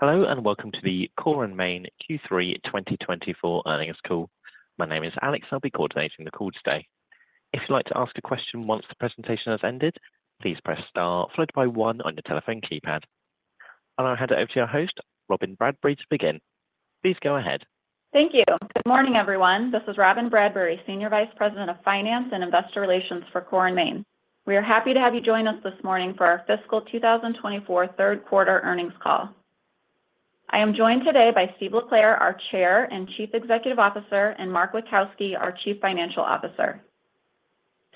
Hello and welcome to the Core & Main Q3 2024 earnings call. My name is Alex, and I'll be coordinating the call today. If you'd like to ask a question once the presentation has ended, please press star followed by one on your telephone keypad. I'll now hand it over to our host, Robyn Bradbury, to begin. Please go ahead. Thank you. Good morning, everyone. This is Robyn Bradbury, Senior Vice President of Finance and Investor Relations for Core & Main. We are happy to have you join us this morning for our fiscal 2024 third quarter earnings call. I am joined today by Steve LeClair, our Chair and Chief Executive Officer, and Mark Witkowski, our Chief Financial Officer.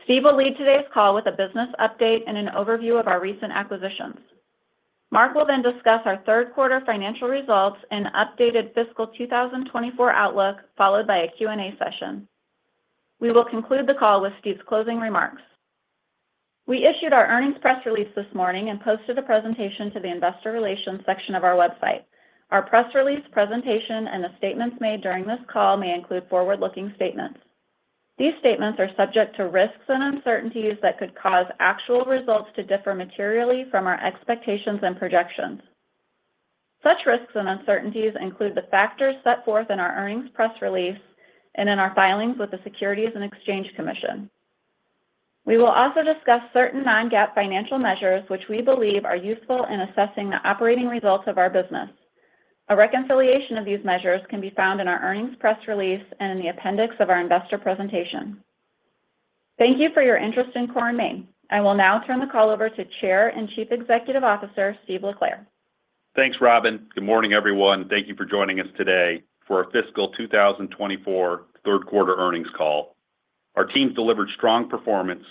Steve will lead today's call with a business update and an overview of our recent acquisitions. Mark will then discuss our third quarter financial results and updated fiscal 2024 outlook, followed by a Q&A session. We will conclude the call with Steve's closing remarks. We issued our earnings press release this morning and posted a presentation to the Investor Relations section of our website. Our press release, presentation, and the statements made during this call may include forward-looking statements. These statements are subject to risks and uncertainties that could cause actual results to differ materially from our expectations and projections. Such risks and uncertainties include the factors set forth in our earnings press release and in our filings with the Securities and Exchange Commission. We will also discuss certain Non-GAAP financial measures, which we believe are useful in assessing the operating results of our business. A reconciliation of these measures can be found in our earnings press release and in the appendix of our investor presentation. Thank you for your interest in Core & Main. I will now turn the call over to Chair and Chief Executive Officer Steve LeClair. Thanks, Robyn. Good morning, everyone. Thank you for joining us today for our fiscal 2024 third quarter earnings call. Our team's delivered strong performance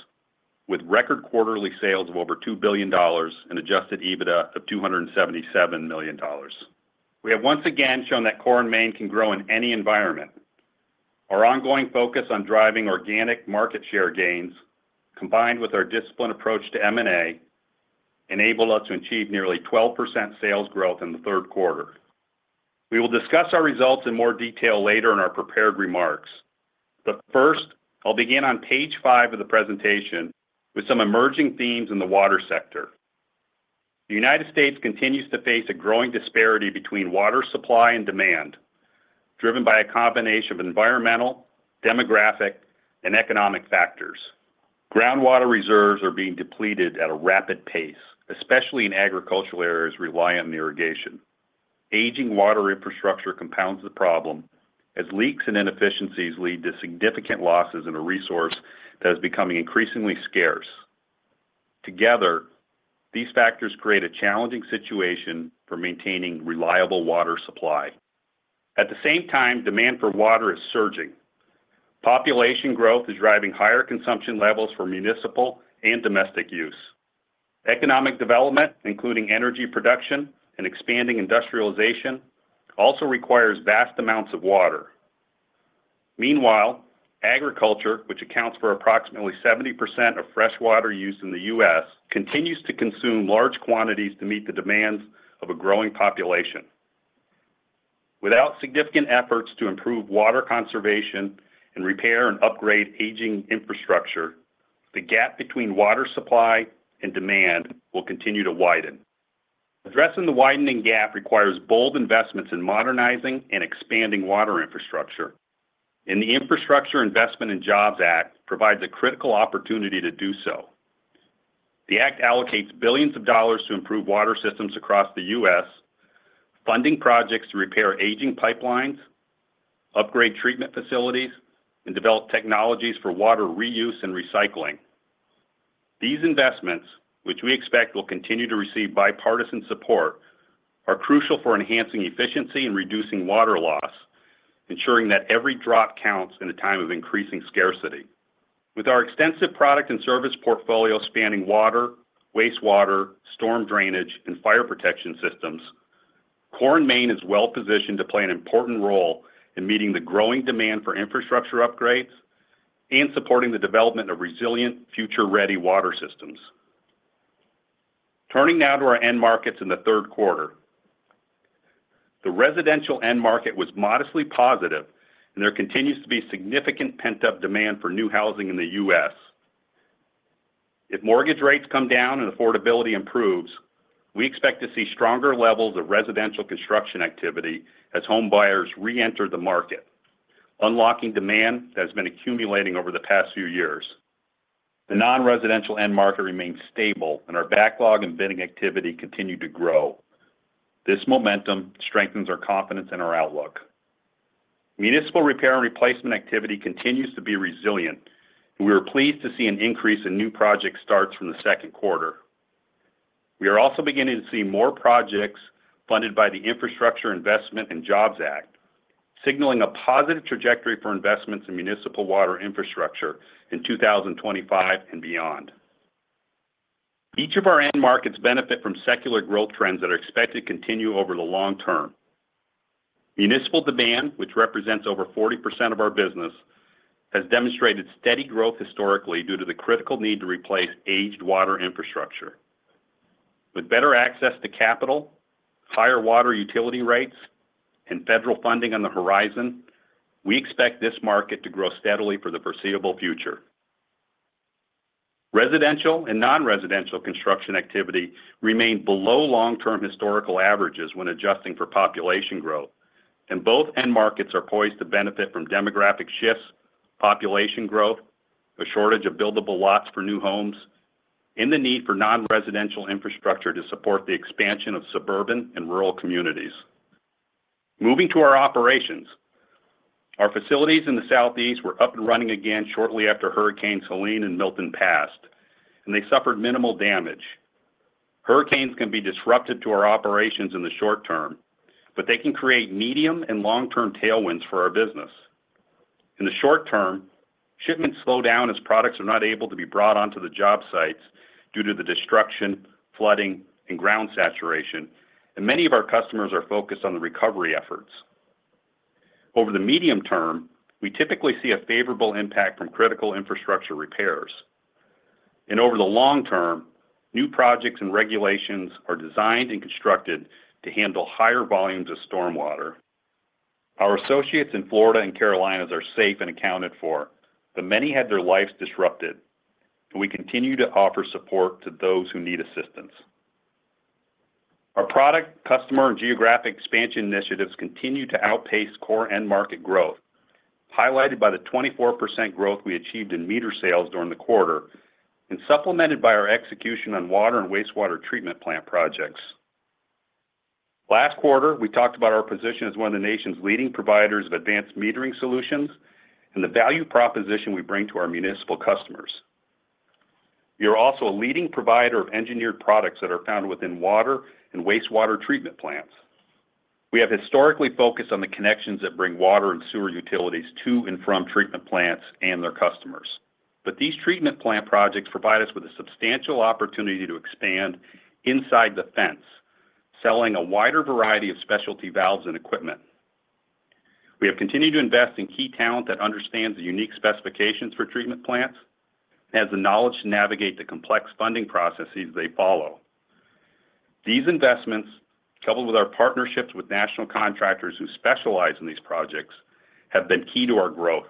with record quarterly sales of over $2 billion and Adjusted EBITDA of $277 million. We have once again shown that Core & Main can grow in any environment. Our ongoing focus on driving organic market share gains, combined with our disciplined approach to M&A, enabled us to achieve nearly 12% sales growth in the third quarter. We will discuss our results in more detail later in our prepared remarks. But first, I'll begin on page five of the presentation with some emerging themes in the water sector. The United States continues to face a growing disparity between water supply and demand, driven by a combination of environmental, demographic, and economic factors. Groundwater reserves are being depleted at a rapid pace, especially in agricultural areas reliant on irrigation. Aging water infrastructure compounds the problem, as leaks and inefficiencies lead to significant losses in a resource that is becoming increasingly scarce. Together, these factors create a challenging situation for maintaining reliable water supply. At the same time, demand for water is surging. Population growth is driving higher consumption levels for municipal and domestic use. Economic development, including energy production and expanding industrialization, also requires vast amounts of water. Meanwhile, agriculture, which accounts for approximately 70% of freshwater use in the U.S., continues to consume large quantities to meet the demands of a growing population. Without significant efforts to improve water conservation and repair and upgrade aging infrastructure, the gap between water supply and demand will continue to widen. Addressing the widening gap requires bold investments in modernizing and expanding water infrastructure. The Infrastructure Investment and Jobs Act provides a critical opportunity to do so. The act allocates billions of dollars to improve water systems across the U.S., funding projects to repair aging pipelines, upgrade treatment facilities, and develop technologies for water reuse and recycling. These investments, which we expect will continue to receive bipartisan support, are crucial for enhancing efficiency and reducing water loss, ensuring that every drop counts in a time of increasing scarcity. With our extensive product and service portfolio spanning water, wastewater, storm drainage, and fire protection systems, Core & Main is well positioned to play an important role in meeting the growing demand for infrastructure upgrades and supporting the development of resilient, future-ready water systems. Turning now to our end markets in the third quarter, the residential end market was modestly positive, and there continues to be significant pent-up demand for new housing in the U.S. If mortgage rates come down and affordability improves, we expect to see stronger levels of residential construction activity as home buyers re-enter the market, unlocking demand that has been accumulating over the past few years. The non-residential end market remains stable, and our backlog and bidding activity continue to grow. This momentum strengthens our confidence in our outlook. Municipal repair and replacement activity continues to be resilient, and we are pleased to see an increase in new project starts from the second quarter. We are also beginning to see more projects funded by the Infrastructure Investment and Jobs Act, signaling a positive trajectory for investments in municipal water infrastructure in 2025 and beyond. Each of our end markets benefits from secular growth trends that are expected to continue over the long term. Municipal demand, which represents over 40% of our business, has demonstrated steady growth historically due to the critical need to replace aged water infrastructure. With better access to capital, higher water utility rates, and federal funding on the horizon, we expect this market to grow steadily for the foreseeable future. Residential and non-residential construction activity remain below long-term historical averages when adjusting for population growth, and both end markets are poised to benefit from demographic shifts, population growth, a shortage of buildable lots for new homes, and the need for non-residential infrastructure to support the expansion of suburban and rural communities. Moving to our operations, our facilities in the Southeast were up and running again shortly after Hurricanes Helene and Milton passed, and they suffered minimal damage. Hurricanes can be disruptive to our operations in the short term, but they can create medium and long-term tailwinds for our business. In the short term, shipments slow down as products are not able to be brought onto the job sites due to the destruction, flooding, and ground saturation, and many of our customers are focused on the recovery efforts. Over the medium term, we typically see a favorable impact from critical infrastructure repairs, and over the long term, new projects and regulations are designed and constructed to handle higher volumes of stormwater. Our associates in Florida and Carolinas are safe and accounted for, but many had their lives disrupted, and we continue to offer support to those who need assistance. Our product, customer, and geographic expansion initiatives continue to outpace core & market growth, highlighted by the 24% growth we achieved in meter sales during the quarter and supplemented by our execution on water and wastewater treatment plant projects. Last quarter, we talked about our position as one of the nation's leading providers of advanced metering solutions and the value proposition we bring to our municipal customers. We are also a leading provider of engineered products that are found within water and wastewater treatment plants. We have historically focused on the connections that bring water and sewer utilities to and from treatment plants and their customers. But these treatment plant projects provide us with a substantial opportunity to expand inside the fence, selling a wider variety of specialty valves and equipment. We have continued to invest in key talent that understands the unique specifications for treatment plants and has the knowledge to navigate the complex funding processes they follow. These investments, coupled with our partnerships with national contractors who specialize in these projects, have been key to our growth.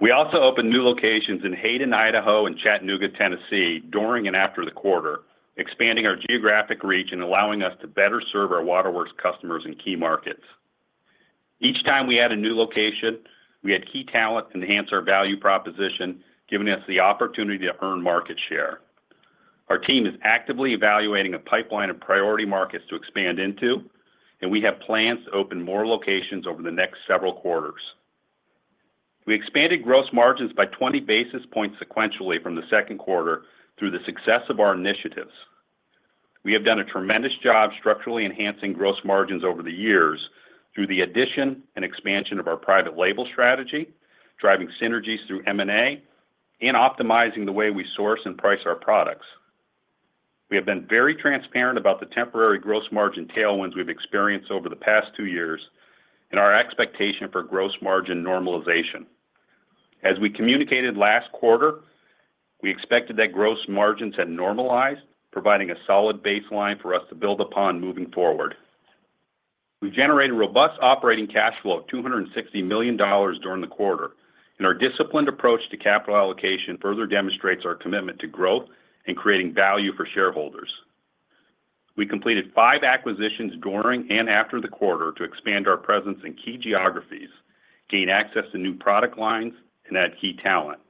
We also opened new locations in Hayden, Idaho, and Chattanooga, Tennessee, during and after the quarter, expanding our geographic reach and allowing us to better serve our waterworks customers in key markets. Each time we add a new location, we add key talent to enhance our value proposition, giving us the opportunity to earn market share. Our team is actively evaluating a pipeline of priority markets to expand into, and we have plans to open more locations over the next several quarters. We expanded gross margins by 20 basis points sequentially from the second quarter through the success of our initiatives. We have done a tremendous job structurally enhancing gross margins over the years through the addition and expansion of our private label strategy, driving synergies through M&A, and optimizing the way we source and price our products. We have been very transparent about the temporary gross margin tailwinds we've experienced over the past two years and our expectation for gross margin normalization. As we communicated last quarter, we expected that gross margins had normalized, providing a solid baseline for us to build upon moving forward. We generated robust operating cash flow of $260 million during the quarter, and our disciplined approach to capital allocation further demonstrates our commitment to growth and creating value for shareholders. We completed five acquisitions during and after the quarter to expand our presence in key geographies, gain access to new product lines, and add key talent.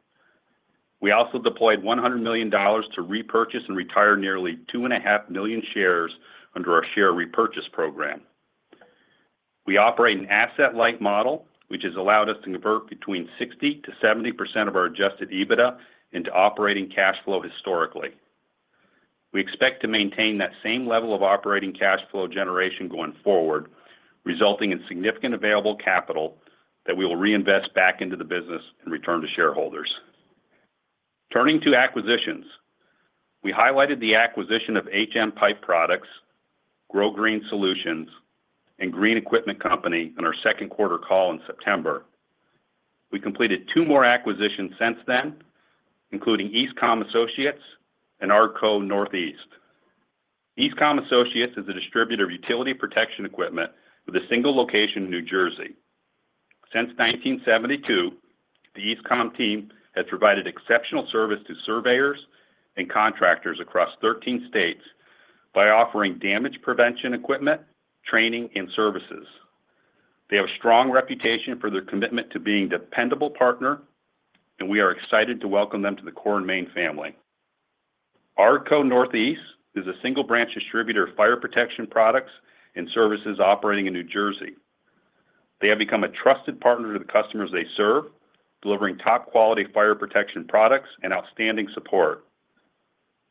We also deployed $100 million to repurchase and retire nearly 2.5 million shares under our share repurchase program. We operate an asset-like model, which has allowed us to convert between 60%-70% of our Adjusted EBITDA into operating cash flow historically. We expect to maintain that same level of operating cash flow generation going forward, resulting in significant available capital that we will reinvest back into the business and return to shareholders. Turning to acquisitions, we highlighted the acquisition of HM Pipe Products, GroGreen Solutions, and Green Equipment Company on our second quarter call in September. We completed two more acquisitions since then, including Eastcom Associates and Arco Northeast. Eastcom Associates is a distributor of utility protection equipment with a single location in New Jersey. Since 1972, the Eastcom team has provided exceptional service to surveyors and contractors across 13 states by offering damage prevention equipment, training, and services. They have a strong reputation for their commitment to being a dependable partner, and we are excited to welcome them to the Core & Main family. Arco Northeast is a single branch distributor of fire protection products and services operating in New Jersey. They have become a trusted partner to the customers they serve, delivering top-quality fire protection products and outstanding support.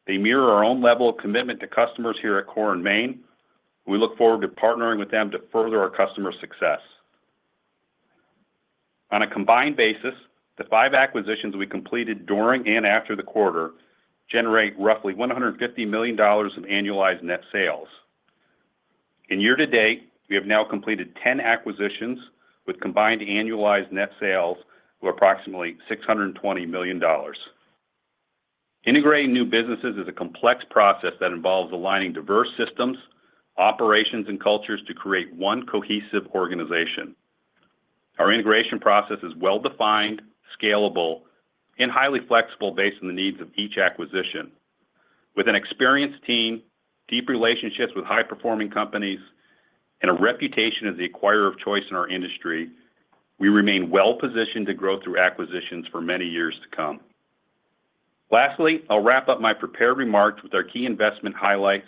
They mirror our own level of commitment to customers here at Core & Main, and we look forward to partnering with them to further our customer success. On a combined basis, the five acquisitions we completed during and after the quarter generate roughly $150 million in annualized net sales. In year-to-date, we have now completed 10 acquisitions with combined annualized net sales of approximately $620 million. Integrating new businesses is a complex process that involves aligning diverse systems, operations, and cultures to create one cohesive organization. Our integration process is well-defined, scalable, and highly flexible based on the needs of each acquisition. With an experienced team, deep relationships with high-performing companies, and a reputation as the acquirer of choice in our industry, we remain well-positioned to grow through acquisitions for many years to come. Lastly, I'll wrap up my prepared remarks with our key investment highlights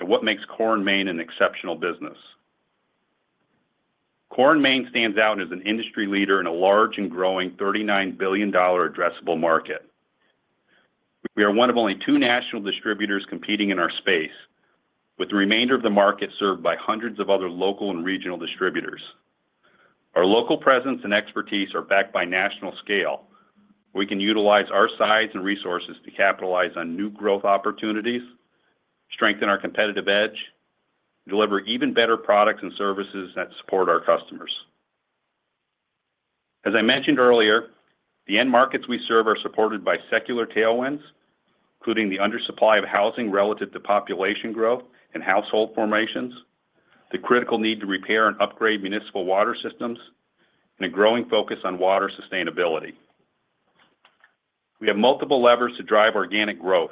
and what makes Core & Main an exceptional business. Core & Main stands out as an industry leader in a large and growing $39B addressable market. We are one of only two national distributors competing in our space, with the remainder of the market served by hundreds of other local and regional distributors. Our local presence and expertise are backed by national scale, where we can utilize our size and resources to capitalize on new growth opportunities, strengthen our competitive edge, and deliver even better products and services that support our customers. As I mentioned earlier, the end markets we serve are supported by secular tailwinds, including the undersupply of housing relative to population growth and household formations, the critical need to repair and upgrade municipal water systems, and a growing focus on water sustainability. We have multiple levers to drive organic growth,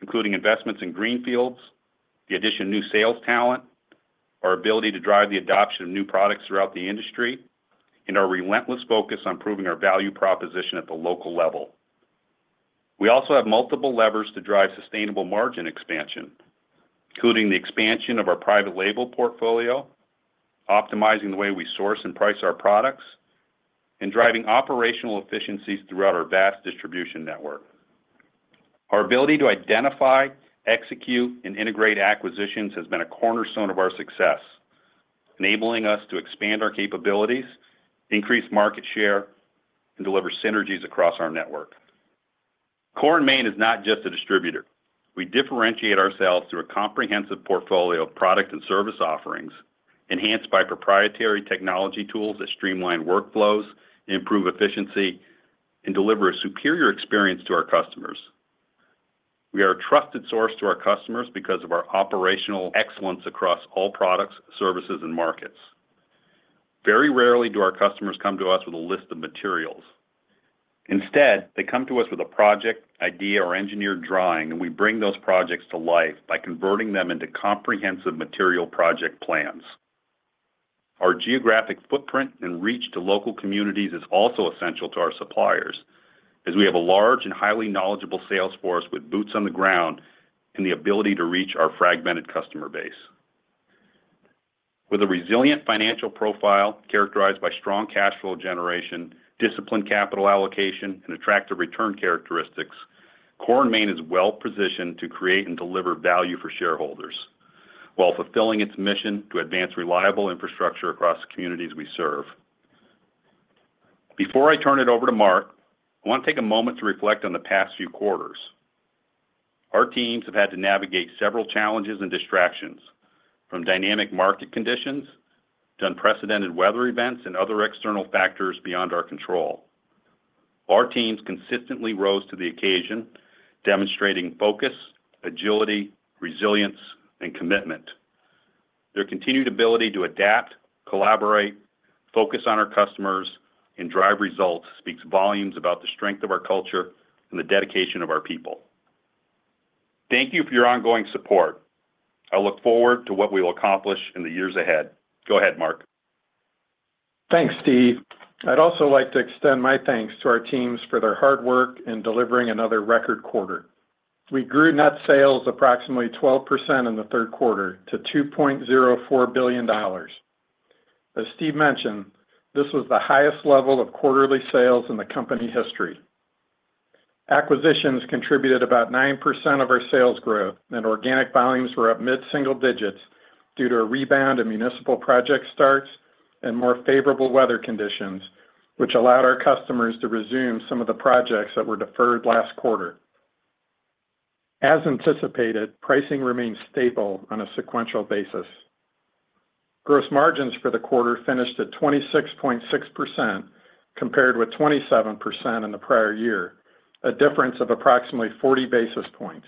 including investments in greenfields, the addition of new sales talent, our ability to drive the adoption of new products throughout the industry, and our relentless focus on proving our value proposition at the local level. We also have multiple levers to drive sustainable margin expansion, including the expansion of our private label portfolio, optimizing the way we source and price our products, and driving operational efficiencies throughout our vast distribution network. Our ability to identify, execute, and integrate acquisitions has been a cornerstone of our success, enabling us to expand our capabilities, increase market share, and deliver synergies across our network. Core & Main is not just a distributor. We differentiate ourselves through a comprehensive portfolio of product and service offerings enhanced by proprietary technology tools that streamline workflows, improve efficiency, and deliver a superior experience to our customers. We are a trusted source to our customers because of our operational excellence across all products, services, and markets. Very rarely do our customers come to us with a list of materials. Instead, they come to us with a project, idea, or engineered drawing, and we bring those projects to life by converting them into comprehensive material project plans. Our geographic footprint and reach to local communities is also essential to our suppliers, as we have a large and highly knowledgeable sales force with boots on the ground and the ability to reach our fragmented customer base. With a resilient financial profile characterized by strong cash flow generation, disciplined capital allocation, and attractive return characteristics, Core & Main is well-positioned to create and deliver value for shareholders while fulfilling its mission to advance reliable infrastructure across the communities we serve. Before I turn it over to Mark, I want to take a moment to reflect on the past few quarters. Our teams have had to navigate several challenges and distractions, from dynamic market conditions to unprecedented weather events and other external factors beyond our control. Our teams consistently rose to the occasion, demonstrating focus, agility, resilience, and commitment. Their continued ability to adapt, collaborate, focus on our customers, and drive results speaks volumes about the strength of our culture and the dedication of our people. Thank you for your ongoing support. I look forward to what we will accomplish in the years ahead. Go ahead, Mark. Thanks, Steve. I'd also like to extend my thanks to our teams for their hard work in delivering another record quarter. We grew net sales approximately 12% in the third quarter to $2.04 billion. As Steve mentioned, this was the highest level of quarterly sales in the company history. Acquisitions contributed about 9% of our sales growth, and organic volumes were up mid-single digits due to a rebound in municipal project starts and more favorable weather conditions, which allowed our customers to resume some of the projects that were deferred last quarter. As anticipated, pricing remained stable on a sequential basis. Gross margins for the quarter finished at 26.6% compared with 27% in the prior year, a difference of approximately 40 basis points.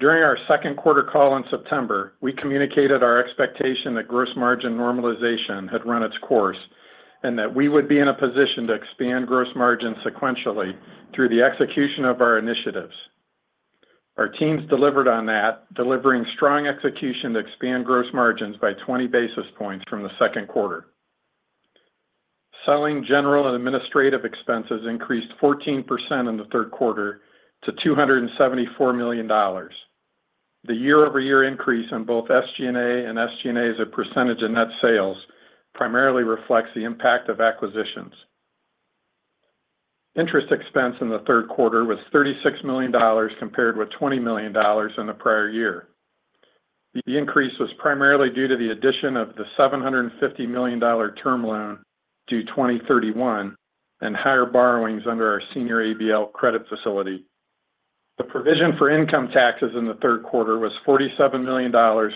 During our second quarter call in September, we communicated our expectation that gross margin normalization had run its course and that we would be in a position to expand gross margins sequentially through the execution of our initiatives. Our teams delivered on that, delivering strong execution to expand gross margins by 20 basis points from the second quarter. Selling general and administrative expenses increased 14% in the third quarter to $274 million. The year-over-year increase in both SG&A and SG&A's percentage of net sales primarily reflects the impact of acquisitions. Interest expense in the third quarter was $36 million compared with $20 million in the prior year. The increase was primarily due to the addition of the $750 million term loan due 2031 and higher borrowings under our senior ABL credit facility. The provision for income taxes in the third quarter was $47 million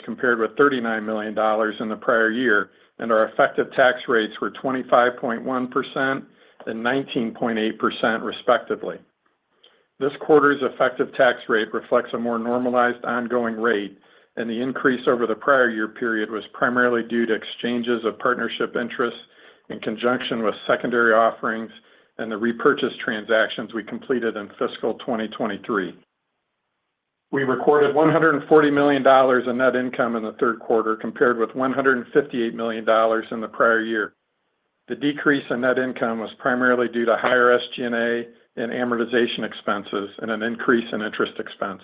compared with $39 million in the prior year, and our effective tax rates were 25.1% and 19.8%, respectively. This quarter's effective tax rate reflects a more normalized ongoing rate, and the increase over the prior year period was primarily due to exchanges of partnership interests in conjunction with secondary offerings and the repurchase transactions we completed in fiscal 2023. We recorded $140 million in net income in the third quarter compared with $158 million in the prior year. The decrease in net income was primarily due to higher SG&A and amortization expenses and an increase in interest expense.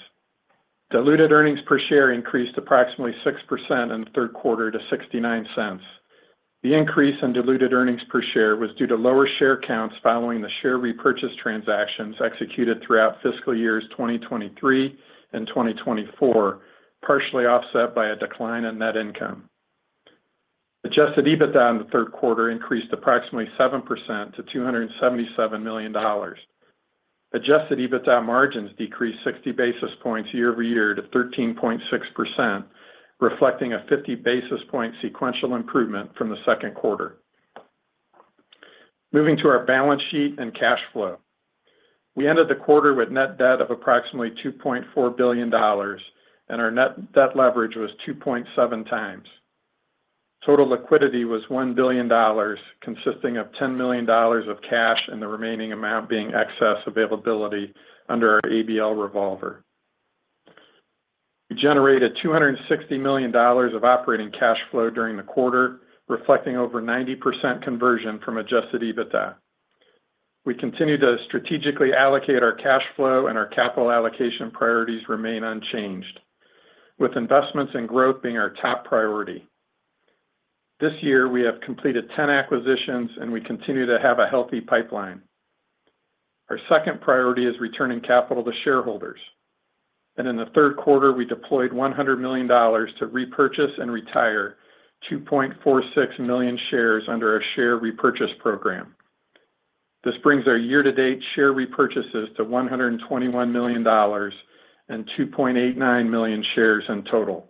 Diluted earnings per share increased approximately 6% in the third quarter to $0.69. The increase in diluted earnings per share was due to lower share counts following the share repurchase transactions executed throughout fiscal years 2023 and 2024, partially offset by a decline in net income. Adjusted EBITDA in the third quarter increased approximately 7% to $277 million. Adjusted EBITDA margins decreased 60 basis points year-over-year to 13.6%, reflecting a 50 basis point sequential improvement from the second quarter. Moving to our balance sheet and cash flow. We ended the quarter with net debt of approximately $2.4 billion, and our net debt leverage was 2.7 times. Total liquidity was $1 billion, consisting of $10 million of cash and the remaining amount being excess availability under our ABL revolver. We generated $260 million of operating cash flow during the quarter, reflecting over 90% conversion from Adjusted EBITDA. We continue to strategically allocate our cash flow, and our capital allocation priorities remain unchanged, with investments and growth being our top priority. This year, we have completed 10 acquisitions, and we continue to have a healthy pipeline. Our second priority is returning capital to shareholders and in the third quarter, we deployed $100 million to repurchase and retire 2.46 million shares under our share repurchase program. This brings our year-to-date share repurchases to $121 million and 2.89 million shares in total.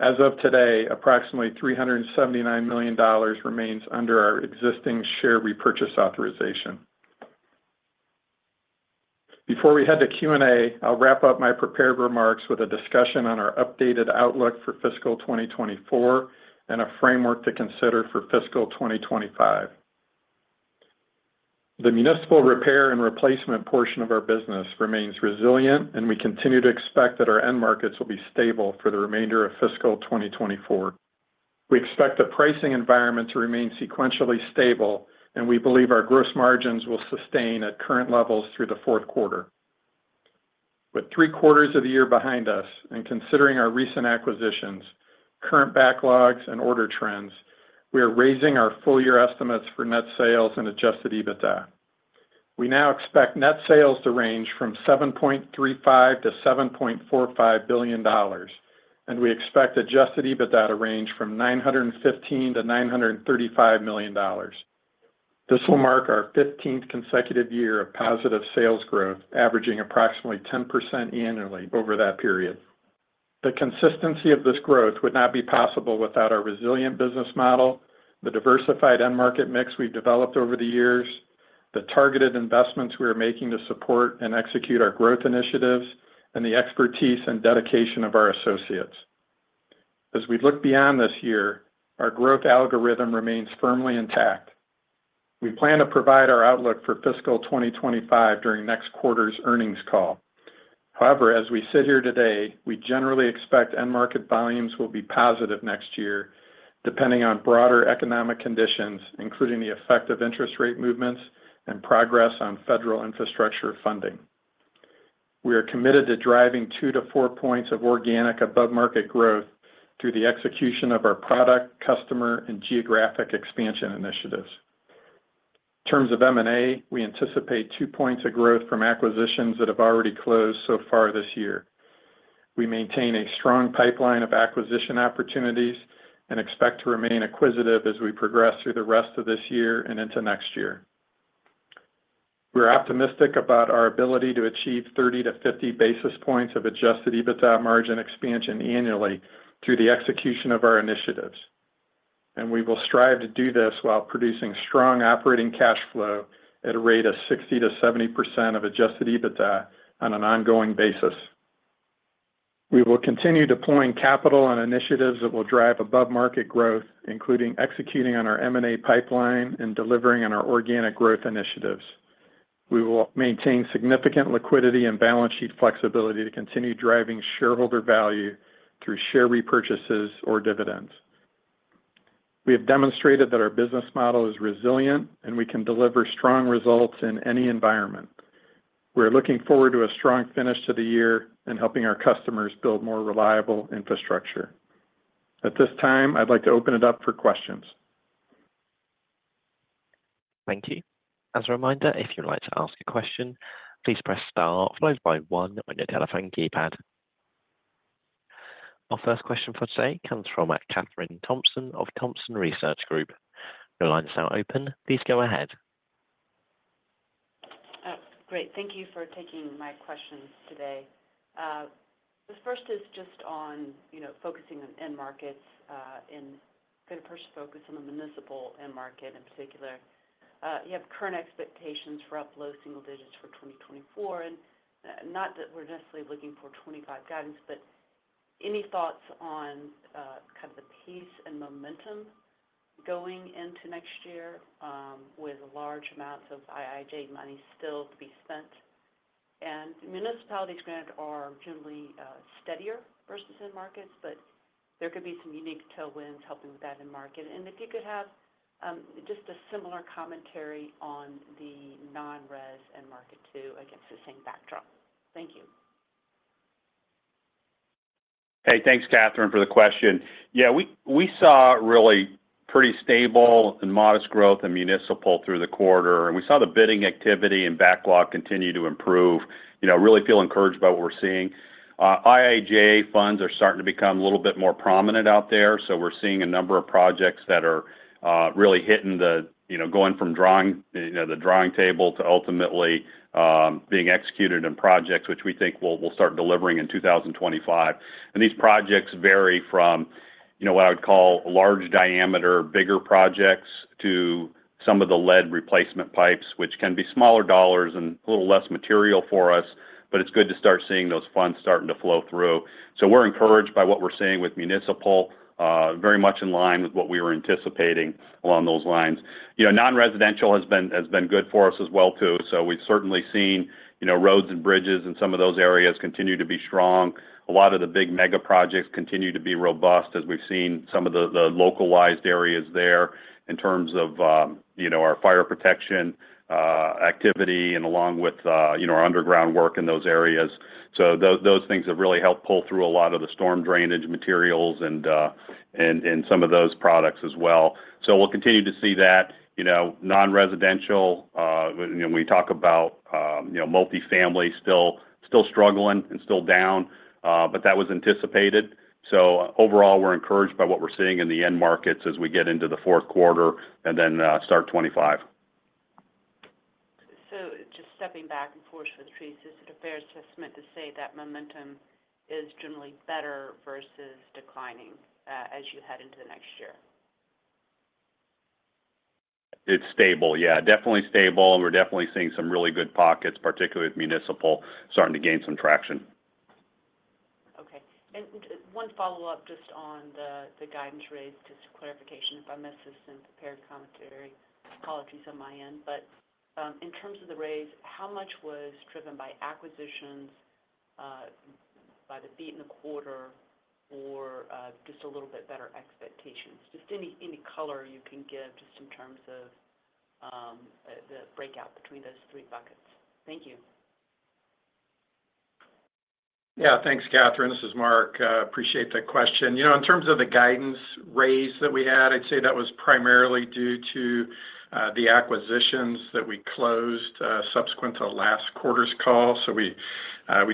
As of today, approximately $379 million remains under our existing share repurchase authorization. Before we head to Q&A, I'll wrap up my prepared remarks with a discussion on our updated outlook for fiscal 2024 and a framework to consider for fiscal 2025. The municipal repair and replacement portion of our business remains resilient, and we continue to expect that our end markets will be stable for the remainder of fiscal 2024. We expect the pricing environment to remain sequentially stable, and we believe our gross margins will sustain at current levels through the fourth quarter. With three quarters of the year behind us and considering our recent acquisitions, current backlogs, and order trends, we are raising our full-year estimates for net sales and Adjusted EBITDA. We now expect net sales to range from $7.35-$7.45 billion, and we expect Adjusted EBITDA to range from $915-$935 million. This will mark our 15th consecutive year of positive sales growth, averaging approximately 10% annually over that period. The consistency of this growth would not be possible without our resilient business model, the diversified end market mix we've developed over the years, the targeted investments we are making to support and execute our growth initiatives, and the expertise and dedication of our associates. As we look beyond this year, our growth algorithm remains firmly intact. We plan to provide our outlook for fiscal 2025 during next quarter's earnings call. However, as we sit here today, we generally expect end market volumes will be positive next year, depending on broader economic conditions, including the effect of interest rate movements and progress on federal infrastructure funding. We are committed to driving 2-4 points of organic above-market growth through the execution of our product, customer, and geographic expansion initiatives. In terms of M&A, we anticipate 2 points of growth from acquisitions that have already closed so far this year. We maintain a strong pipeline of acquisition opportunities and expect to remain acquisitive as we progress through the rest of this year and into next year. We're optimistic about our ability to achieve 30 to 50 basis points of Adjusted EBITDA margin expansion annually through the execution of our initiatives. And we will strive to do this while producing strong operating cash flow at a rate of 60%-70% of Adjusted EBITDA on an ongoing basis, and we will continue deploying capital and initiatives that will drive above-market growth, including executing on our M&A pipeline and delivering on our organic growth initiatives. We will maintain significant liquidity and balance sheet flexibility to continue driving shareholder value through share repurchases or dividends. We have demonstrated that our business model is resilient, and we can deliver strong results in any environment. We're looking forward to a strong finish to the year and helping our customers build more reliable infrastructure. At this time, I'd like to open it up for questions. Thank you. As a reminder, if you'd like to ask a question, please press star followed by 1 on your telephone keypad. Our first question for today comes from Kathryn Thompson of Thompson Research Group. Your line is now open. Please go ahead. Great. Thank you for taking my questions today. The first is just on focusing on end markets and going to first focus on the municipal end market in particular. You have current expectations for up low single digits for 2024, and not that we're necessarily looking for 2025 guidance, but any thoughts on kind of the pace and momentum going into next year with large amounts of IIJA money still to be spent? Municipalities' grants are generally steadier versus end markets, but there could be some unique tailwinds helping with that end market. If you could have just a similar commentary on the non-residential end market too, against the same backdrop. Thank you. Hey, thanks, Kathryn, for the question. Yeah, we saw really pretty stable and modest growth in municipal through the quarter. And we saw the bidding activity and backlog continue to improve. Really feel encouraged by what we're seeing. IIJA funds are starting to become a little bit more prominent out there. So we're seeing a number of projects that are really getting going from the drawing board to ultimately being executed as projects, which we think we'll start delivering in 2025. These projects vary from what I would call large diameter, bigger projects to some of the lead replacement pipes, which can be smaller dollars and a little less material for us, but it's good to start seeing those funds starting to flow through. We're encouraged by what we're seeing with municipal, very much in line with what we were anticipating along those lines. Non-residential has been good for us as well too. We've certainly seen roads and bridges in some of those areas continue to be strong. A lot of the big mega projects continue to be robust as we've seen some of the localized areas there in terms of our fire protection activity and along with our underground work in those areas. Those things have really helped pull through a lot of the storm drainage materials and some of those products as well. So we'll continue to see that. Non-residential, when we talk about multifamily still struggling and still down, but that was anticipated. So overall, we're encouraged by what we're seeing in the end markets as we get into the fourth quarter and then start 2025. So just stepping back and forth for the piece, is it a fair assessment to say that momentum is generally better versus declining as you head into the next year? It's stable, yeah. Definitely stable. And we're definitely seeing some really good pockets, particularly with municipal, starting to gain some traction. Okay. And one follow-up just on the guidance raise, just clarification if I missed this in prepared commentary. Apologies on my end. But in terms of the raise, how much was driven by acquisitions, by the beat in the quarter, or just a little bit better expectations? Just any color you can give just in terms of the breakout between those three buckets. Thank you. Yeah, thanks, Kathryn. This is Mark. Appreciate the question. In terms of the guidance raise that we had, I'd say that was primarily due to the acquisitions that we closed subsequent to last quarter's call. So we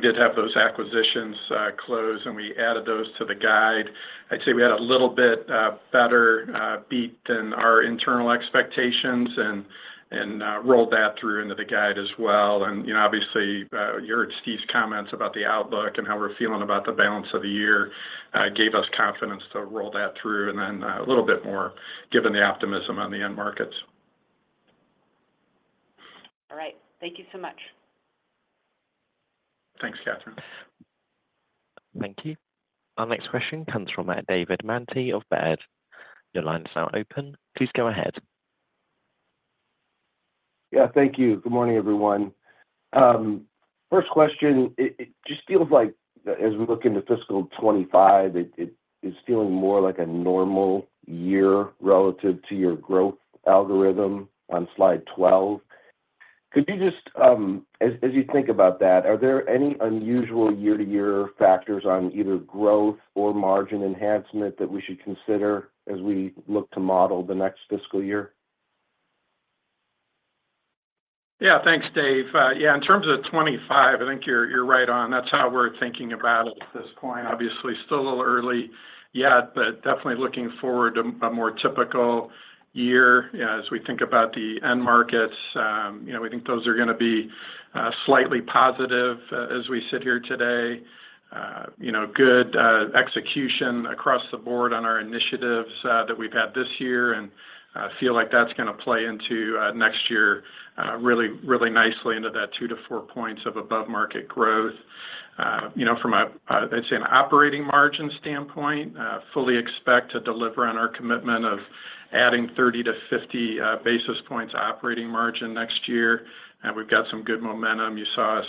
did have those acquisitions close, and we added those to the guide. I'd say we had a little bit better beat than our internal expectations and rolled that through into the guide as well. And obviously, your and Steve's comments about the outlook and how we're feeling about the balance of the year gave us confidence to roll that through and then a little bit more given the optimism on the end markets. All right. Thank you so much. Thanks, Kathryn. Thank you. Our next question comes from David Manthey of Baird. Your line is now open. Please go ahead. Yeah, thank you. Good morning, everyone. First question, it just feels like as we look into fiscal '25, it is feeling more like a normal year relative to your growth algorithm on slide 12. Could you just, as you think about that, are there any unusual year-to-year factors on either growth or margin enhancement that we should consider as we look to model the next fiscal year? Yeah, thanks, Dave. Yeah, in terms of '25, I think you're right on. That's how we're thinking about it at this point. Obviously, still a little early yet, but definitely looking forward to a more typical year as we think about the end markets. We think those are going to be slightly positive as we sit here today. Good execution across the board on our initiatives that we've had this year, and I feel like that's going to play into next year really, really nicely into that 2-4 points of above-market growth. From a, I'd say, an operating margin standpoint, fully expect to deliver on our commitment of adding 30 to 50 basis points operating margin next year. And we've got some good momentum. You saw us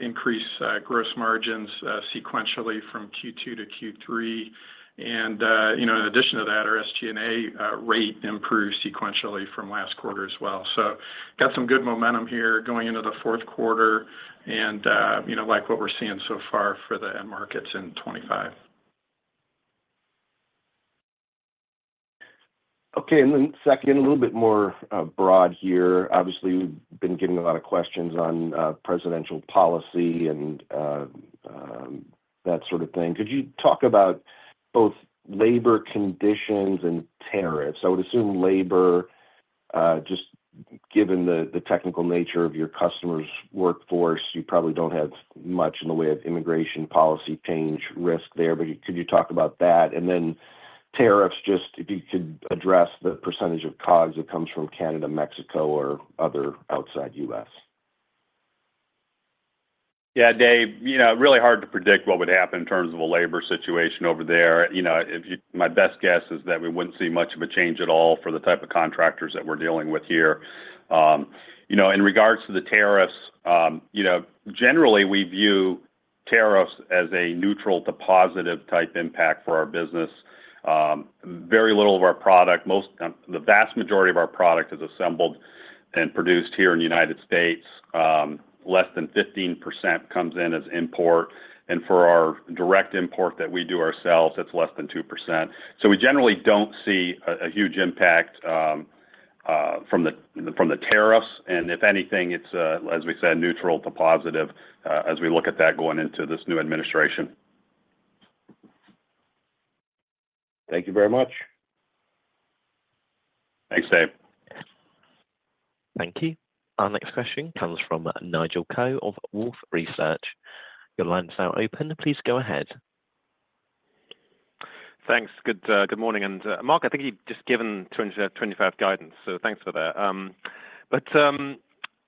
increase gross margins sequentially from Q2 to Q3. And in addition to that, our SG&A rate improved sequentially from last quarter as well. So got some good momentum here going into the fourth quarter and like what we're seeing so far for the end markets in 2025. Okay. And then second, a little bit more broad here. Obviously, we've been getting a lot of questions on presidential policy and that sort of thing. Could you talk about both labor conditions and tariffs? I would assume labor, just given the technical nature of your customer's workforce, you probably don't have much in the way of immigration policy change risk there. But could you talk about that? And then tariffs, just if you could address the percentage of COGS that comes from Canada, Mexico, or other outside U.S.? Yeah, Dave, really hard to predict what would happen in terms of a labor situation over there. My best guess is that we wouldn't see much of a change at all for the type of contractors that we're dealing with here. In regards to the tariffs, generally, we view tariffs as a neutral to positive type impact for our business. Very little of our product, most of the vast majority of our product is assembled and produced here in the United States. Less than 15% comes in as import. And for our direct import that we do ourselves, it's less than 2%. So we generally don't see a huge impact from the tariffs. And if anything, it's, as we said, neutral to positive as we look at that going into this new administration. Thank you very much. Thanks, Dave. Thank you. Our next question comes from Nigel Coe of Wolfe Research. Your line is now open. Please go ahead. Thanks. Good morning. And Mark, I think you've just given 2025 guidance, so thanks for that. But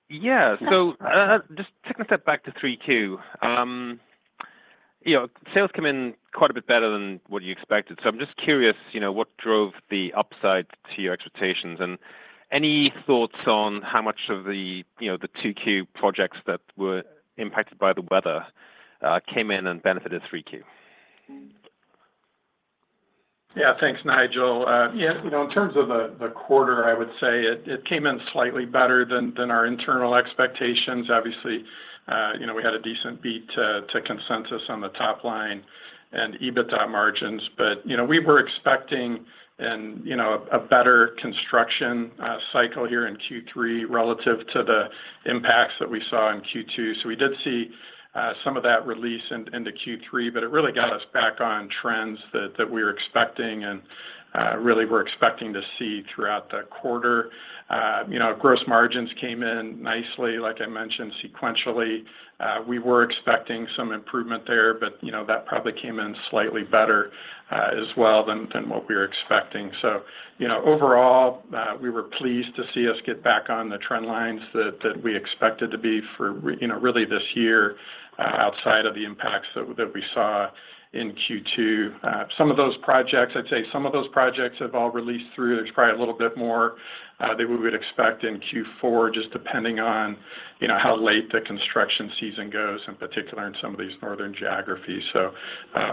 yeah, so just taking a step back to 3Q, sales came in quite a bit better than what you expected. So I'm just curious what drove the upside to your expectations and any thoughts on how much of the 2Q projects that were impacted by the weather came in and benefited 3Q? Yeah, thanks, Nigel. Yeah, in terms of the quarter, I would say it came in slightly better than our internal expectations. Obviously, we had a decent beat to consensus on the top line and EBITDA margins. But we were expecting a better construction cycle here in Q3 relative to the impacts that we saw in Q2. So we did see some of that release into Q3, but it really got us back on trends that we were expecting and really were expecting to see throughout the quarter. Gross margins came in nicely, like I mentioned, sequentially. We were expecting some improvement there, but that probably came in slightly better as well than what we were expecting. So overall, we were pleased to see us get back on the trend lines that we expected to be for really this year outside of the impacts that we saw in Q2. Some of those projects, I'd say some of those projects have all released through. There's probably a little bit more that we would expect in Q4, just depending on how late the construction season goes in particular in some of these northern geographies. So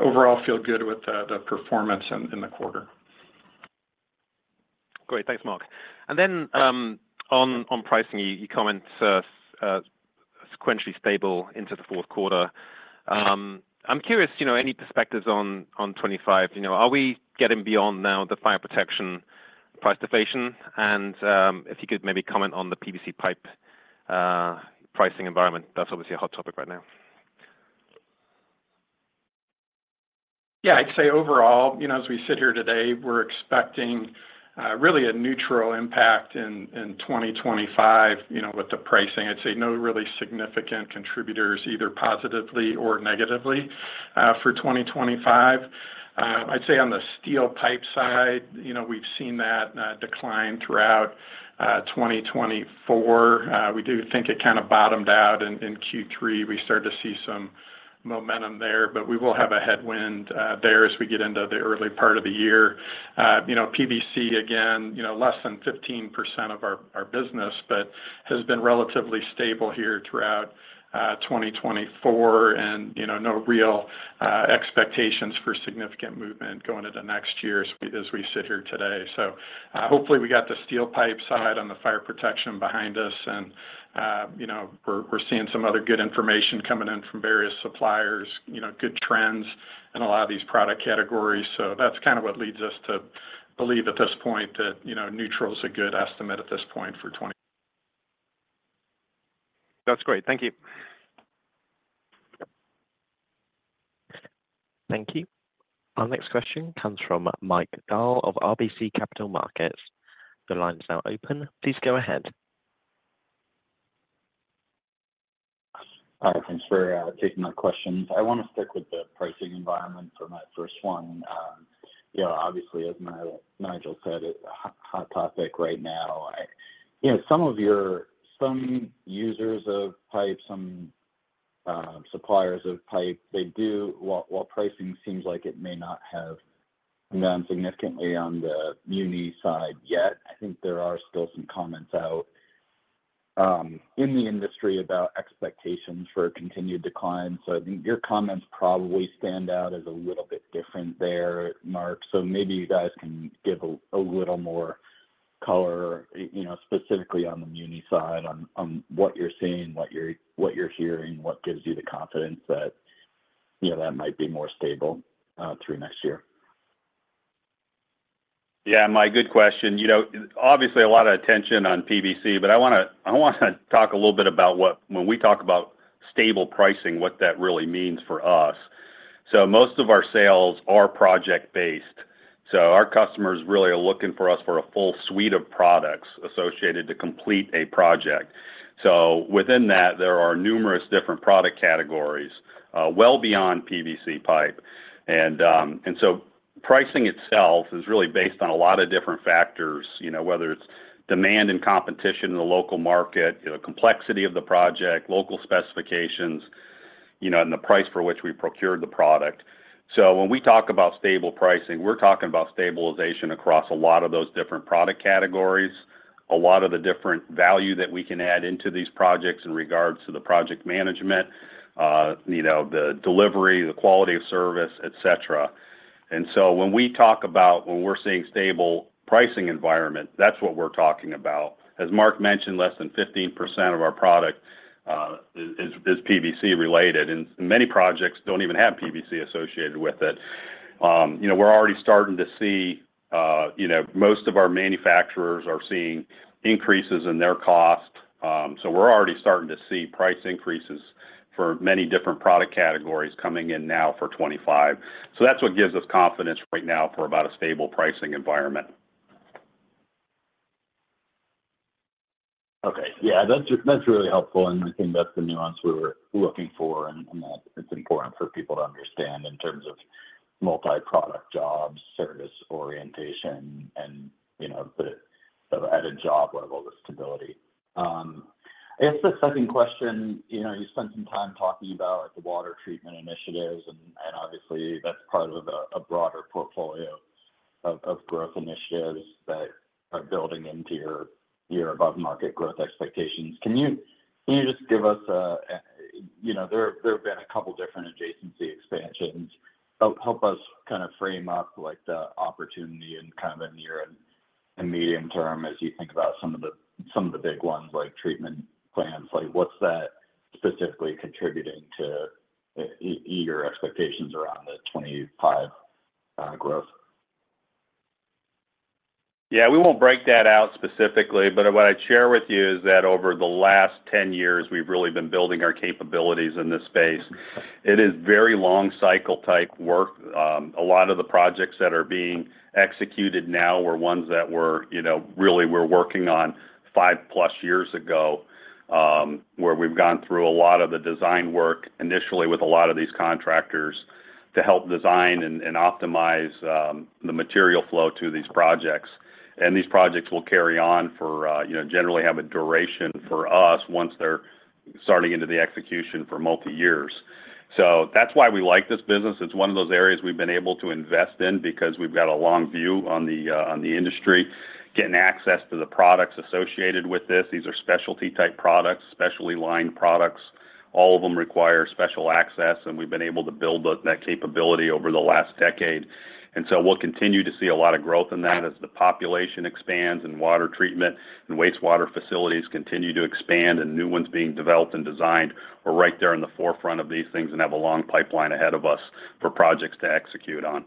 overall, feel good with the performance in the quarter. Great. Thanks, Mark. And then on pricing, you comment sequentially stable into the fourth quarter. I'm curious, any perspectives on 2025? Are we getting beyond now the fire protection price deflation? And if you could maybe comment on the PVC pipe pricing environment, that's obviously a hot topic right now. Yeah, I'd say overall, as we sit here today, we're expecting really a neutral impact in 2025 with the pricing. I'd say no really significant contributors, either positively or negatively for 2025. I'd say on the steel pipe side, we've seen that decline throughout 2024. We do think it kind of bottomed out in Q3. We started to see some momentum there, but we will have a headwind there as we get into the early part of the year. PVC, again, less than 15% of our business, but has been relatively stable here throughout 2024 and no real expectations for significant movement going into next year as we sit here today. So hopefully we got the steel pipe side on the fire protection behind us, and we're seeing some other good information coming in from various suppliers, good trends, and a lot of these product categories. So that's kind of what leads us to believe at this point that neutral is a good estimate at this point for 2024. That's great. Thank you. Thank you. Our next question comes from Mike Dahl of RBC Capital Markets. The line is now open. Please go ahead. Hi, thanks for taking my questions. I want to stick with the pricing environment for my first one. Obviously, as Nigel said, it's a hot topic right now. Some users of pipe, some suppliers of pipe, they do while pricing seems like it may not have gone significantly on the muni side yet. I think there are still some comments out in the industry about expectations for continued decline. So I think your comments probably stand out as a little bit different there, Mark. So maybe you guys can give a little more color specifically on the muni side on what you're seeing, what you're hearing, what gives you the confidence that that might be more stable through next year. Yeah, Mike, good question. Obviously, a lot of attention on PVC, but I want to talk a little bit about when we talk about stable pricing, what that really means for us, so most of our sales are project-based, so our customers really are looking for us for a full suite of products associated to complete a project, so within that, there are numerous different product categories well beyond PVC pipe, and so pricing itself is really based on a lot of different factors, whether it's demand and competition in the local market, the complexity of the project, local specifications, and the price for which we procured the product, so when we talk about stable pricing, we're talking about stabilization across a lot of those different product categories, a lot of the different value that we can add into these projects in regards to the project management, the delivery, the quality of service, etc. And so when we talk about when we're seeing stable pricing environment, that's what we're talking about. As Mark mentioned, less than 15% of our product is PVC-related, and many projects don't even have PVC associated with it. We're already starting to see most of our manufacturers are seeing increases in their cost. So we're already starting to see price increases for many different product categories coming in now for 2025. So that's what gives us confidence right now for about a stable pricing environment. Okay. Yeah, that's really helpful. And I think that's the nuance we were looking for, and it's important for people to understand in terms of multi-product jobs, service orientation, and the added job level of stability. I guess the second question, you spent some time talking about the water treatment initiatives, and obviously, that's part of a broader portfolio of growth initiatives that are building into your above-market growth expectations. Can you just give us a, there have been a couple of different adjacency expansions. Help us kind of frame up the opportunity and kind of in the near and medium term as you think about some of the big ones like treatment plants. What's that specifically contributing to your expectations around the 2025 growth? Yeah, we won't break that out specifically, but what I'd share with you is that over the last 10 years, we've really been building our capabilities in this space. It is very long-cycle type work. A lot of the projects that are being executed now were ones that we really were working on five-plus years ago, where we've gone through a lot of the design work initially with a lot of these contractors to help design and optimize the material flow to these projects. These projects will carry on. They generally have a duration for us once they're starting into the execution for multi-years. So that's why we like this business. It's one of those areas we've been able to invest in because we've got a long view on the industry, getting access to the products associated with this. These are specialty-type products, specially lined products. All of them require special access, and we've been able to build that capability over the last decade. And so we'll continue to see a lot of growth in that as the population expands and water treatment and wastewater facilities continue to expand and new ones being developed and designed. We're right there in the forefront of these things and have a long pipeline ahead of us for projects to execute on.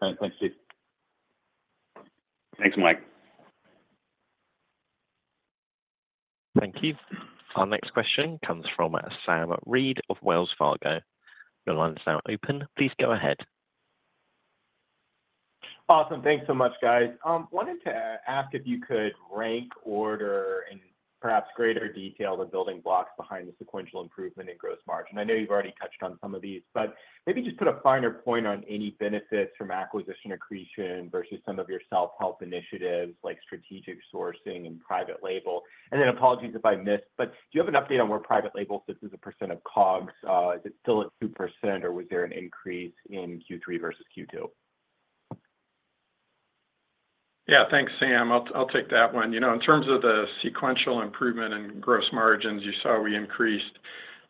Great. All right. Thanks, Steve. Thanks, Mike. Thank you. Our next question comes from Sam Reid of Wells Fargo. The line is now open. Please go ahead. Awesome. Thanks so much, guys. Wanted to ask if you could rank, order, and perhaps greater detail the building blocks behind the sequential improvement in gross margin. I know you've already touched on some of these, but maybe just put a finer point on any benefits from acquisition accretion versus some of your self-help initiatives like strategic sourcing and private label. And then apologies if I missed, but do you have an update on where private label sits as a % of COGS? Is it still at 2%, or was there an increase in Q3 versus Q2? Yeah, thanks, Sam. I'll take that one. In terms of the sequential improvement in gross margins, you saw we increased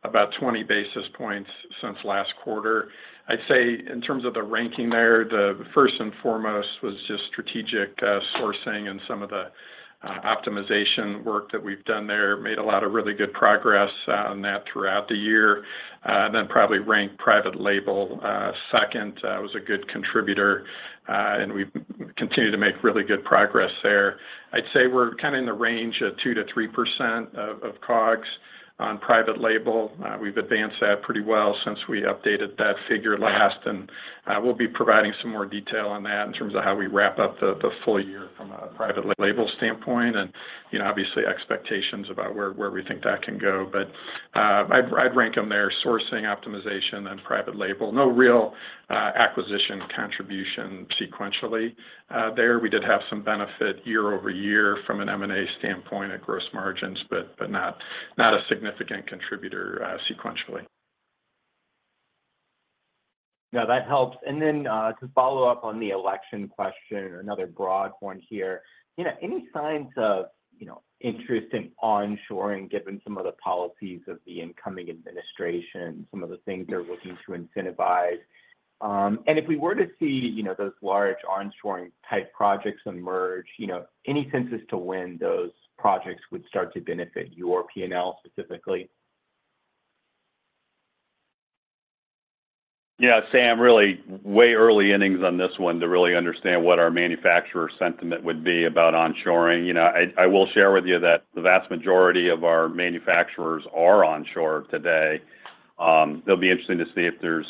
about 20 basis points since last quarter. I'd say in terms of the ranking there, the first and foremost was just strategic sourcing and some of the optimization work that we've done there. Made a lot of really good progress on that throughout the year. And then probably ranked private label second was a good contributor, and we've continued to make really good progress there. I'd say we're kind of in the range of 2%-3% of COGS on private label. We've advanced that pretty well since we updated that figure last, and we'll be providing some more detail on that in terms of how we wrap up the full year from a private label standpoint and obviously expectations about where we think that can go. But I'd rank them there: sourcing, optimization, and private label. No real acquisition contribution sequentially there. We did have some benefit year over year from an M&A standpoint at gross margins, but not a significant contributor sequentially. Yeah, that helps. And then to follow up on the election question, another broad one here. Any signs of interest in onshoring given some of the policies of the incoming administration, some of the things they're looking to incentivize? And if we were to see those large onshoring-type projects emerge, any sense as to when those projects would start to benefit your P&L specifically? Yeah, Sam, really way early innings on this one to really understand what our manufacturer sentiment would be about onshoring. I will share with you that the vast majority of our manufacturers are onshore today. It'll be interesting to see if there's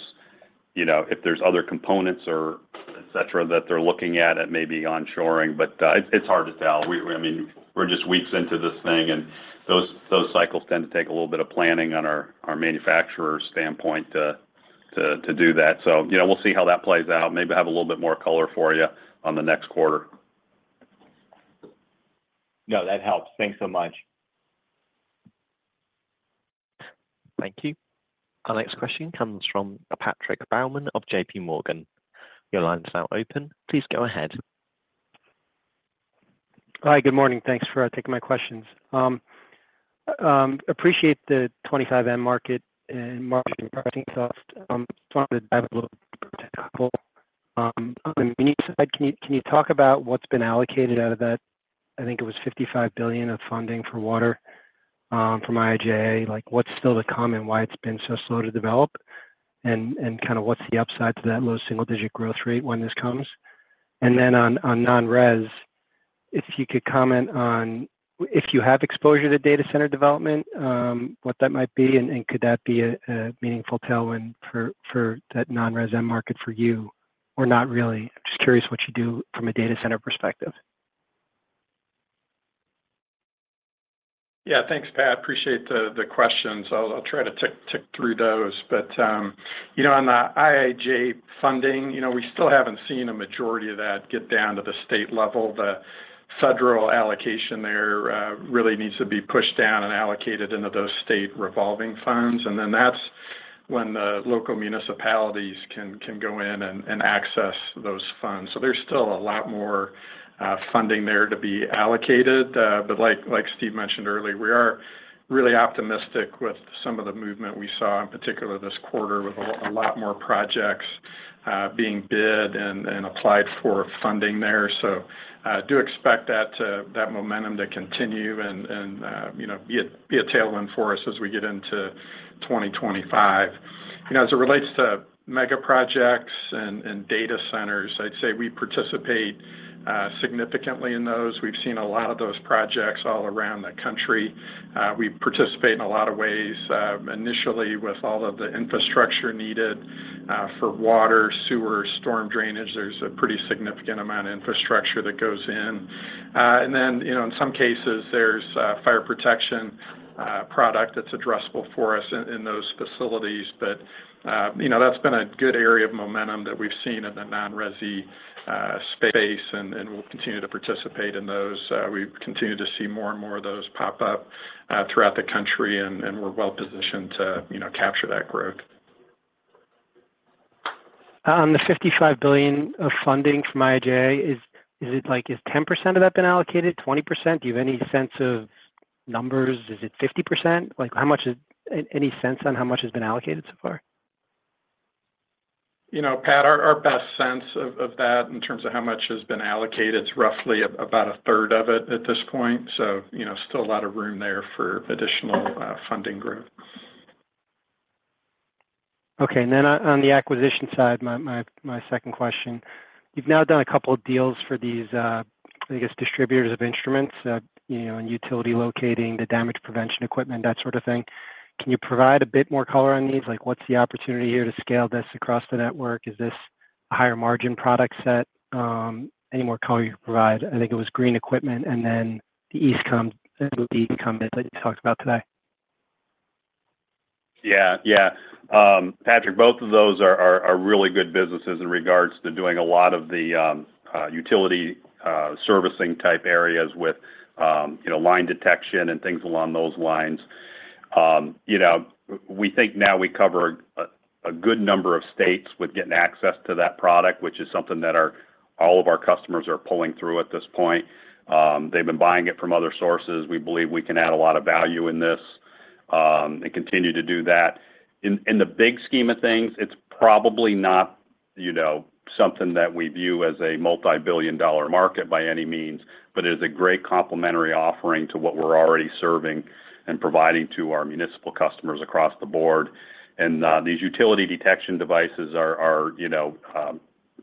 other components or etc. that they're looking at at maybe onshoring, but it's hard to tell. I mean, we're just weeks into this thing, and those cycles tend to take a little bit of planning on our manufacturer standpoint to do that. So we'll see how that plays out. Maybe have a little bit more color for you on the next quarter. No, that helps. Thanks so much. Thank you. Our next question comes from Patrick Baumann of J.P. Morgan. Your line is now open. Please go ahead. Hi, good morning. Thanks for taking my questions. Appreciate the $25 million market and marketing pricing stuff. Just wanted to dive a little deeper into that. On the muni side, can you talk about what's been allocated out of that? I think it was $55 billion of funding for water from IIJA. What's still to come and why it's been so slow to develop? And kind of what's the upside to that low single-digit growth rate when this comes? And then on non-res, if you could comment on if you have exposure to data center development, what that might be, and could that be a meaningful tailwind for that non-res market for you or not really? I'm just curious what you do from a data center perspective. Yeah, thanks, Pat. Appreciate the questions. I'll try to tick through those, but on the IIJA funding, we still haven't seen a majority of that get down to the state level. The federal allocation there really needs to be pushed down and allocated into those state revolving funds, and then that's when the local municipalities can go in and access those funds, so there's still a lot more funding there to be allocated, but like Steve mentioned earlier, we are really optimistic with some of the movement we saw in particular this quarter with a lot more projects being bid and applied for funding there, so do expect that momentum to continue and be a tailwind for us as we get into 2025. As it relates to mega projects and data centers, I'd say we participate significantly in those. We've seen a lot of those projects all around the country. We participate in a lot of ways. Initially, with all of the infrastructure needed for water, sewer, storm drainage, there's a pretty significant amount of infrastructure that goes in. And then in some cases, there's fire protection product that's addressable for us in those facilities. But that's been a good area of momentum that we've seen in the non-resi space, and we'll continue to participate in those. We continue to see more and more of those pop up throughout the country, and we're well positioned to capture that growth. The $55 billion of funding from IIJA, is it like 10% of that been allocated, 20%? Do you have any sense of numbers? Is it 50%? Any sense on how much has been allocated so far? Pat, our best sense of that in terms of how much has been allocated is roughly about a third of it at this point. So still a lot of room there for additional funding growth. Okay. And then on the acquisition side, my second question. You've now done a couple of deals for these, I guess, distributors of instruments and utility locating, the damage prevention equipment, that sort of thing. Can you provide a bit more color on these? What's the opportunity here to scale this across the network? Is this a higher margin product set? Any more color you can provide? I think it was Green Equipment, and then the Eastcom that you talked about today. Yeah. Yeah. Patrick, both of those are really good businesses in regards to doing a lot of the utility servicing type areas with line detection and things along those lines. We think now we cover a good number of states with getting access to that product, which is something that all of our customers are pulling through at this point. They've been buying it from other sources. We believe we can add a lot of value in this and continue to do that. In the big scheme of things, it's probably not something that we view as a multi-billion-dollar market by any means, but it is a great complementary offering to what we're already serving and providing to our municipal customers across the board. And these utility detection devices are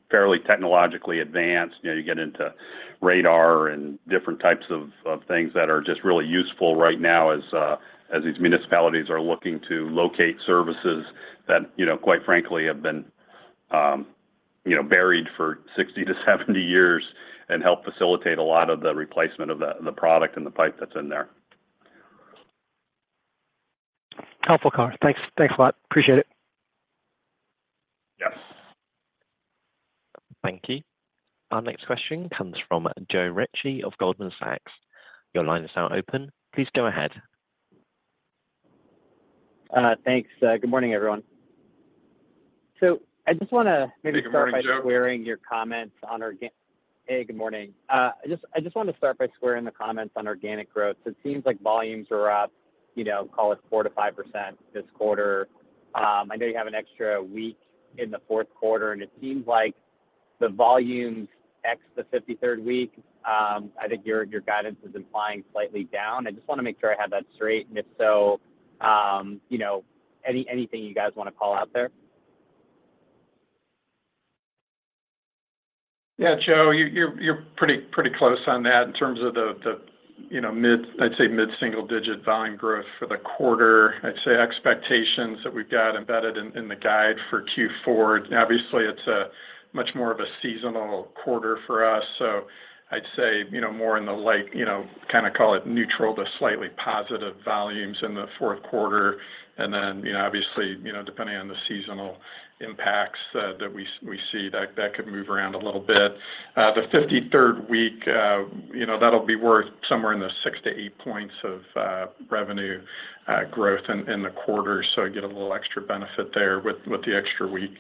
fairly technologically advanced. You get into radar and different types of things that are just really useful right now as these municipalities are looking to locate services that, quite frankly, have been buried for 60 to 70 years and help facilitate a lot of the replacement of the product and the pipe that's in there. Helpful, color. Thanks a lot. Appreciate it. Yes. Thank you. Our next question comes from Joe Ritchie of Goldman Sachs. Your line is now open. Please go ahead. Thanks. Good morning, everyone. I just want to maybe start by squaring your comments on organic—hey, good morning. I just want to start by squaring the comments on organic growth. It seems like volumes are up, call it 4%-5% this quarter. I know you have an extra week in the fourth quarter, and it seems like the volumes ex the 53rd week. I think your guidance is implying slightly down. I just want to make sure I have that straight. And if so, anything you guys want to call out there? Yeah, Joe, you're pretty close on that in terms of the. I'd say mid-single-digit volume growth for the quarter. Expectations that we've got embedded in the guide for Q4. Obviously, it's much more of a seasonal quarter for us. So I'd say more in the light, kind of call it neutral to slightly positive volumes in the fourth quarter. And then, obviously, depending on the seasonal impacts that we see, that could move around a little bit. The 53rd week, that'll be worth somewhere in the 6-8 points of revenue growth in the quarter. So you get a little extra benefit there with the extra week.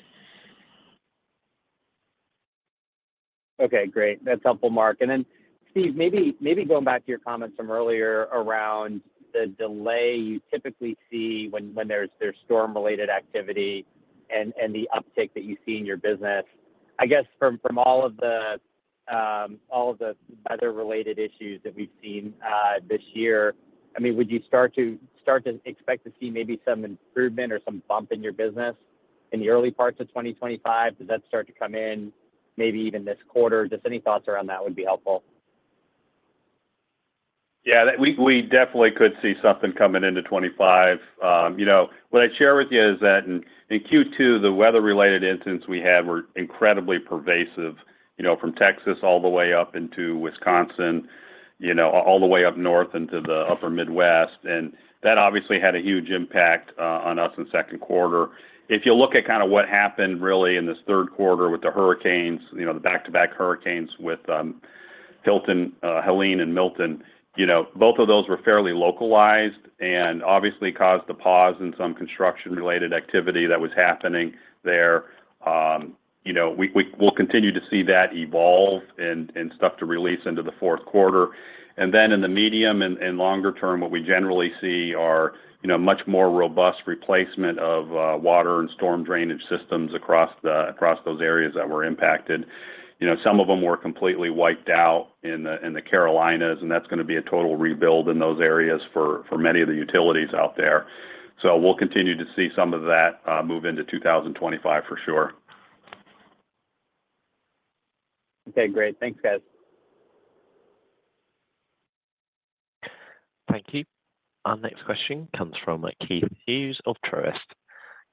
Okay. Great. That's helpful, Mark. And then, Steve, maybe going back to your comments from earlier around the delay you typically see when there's storm-related activity and the uptick that you see in your business. I guess from all of the weather-related issues that we've seen this year, I mean, would you start to expect to see maybe some improvement or some bump in your business in the early parts of 2025? Does that start to come in maybe even this quarter? Just any thoughts around that would be helpful. Yeah. We definitely could see something coming into 2025. What I'd share with you is that in Q2, the weather-related incidents we had were incredibly pervasive from Texas all the way up into Wisconsin, all the way up north into the Upper Midwest, and that obviously had a huge impact on us in second quarter. If you look at kind of what happened really in this third quarter with the hurricanes, the back-to-back hurricanes, Helene and Milton, both of those were fairly localized and obviously caused the pause in some construction-related activity that was happening there. We'll continue to see that evolve and stuff to release into the fourth quarter. And then in the medium and longer term, what we generally see are much more robust replacement of water and storm drainage systems across those areas that were impacted. Some of them were completely wiped out in the Carolinas, and that's going to be a total rebuild in those areas for many of the utilities out there. So we'll continue to see some of that move into 2025 for sure. Okay. Great. Thanks, guys. Thank you. Our next question comes from Keith Hughes of Truist.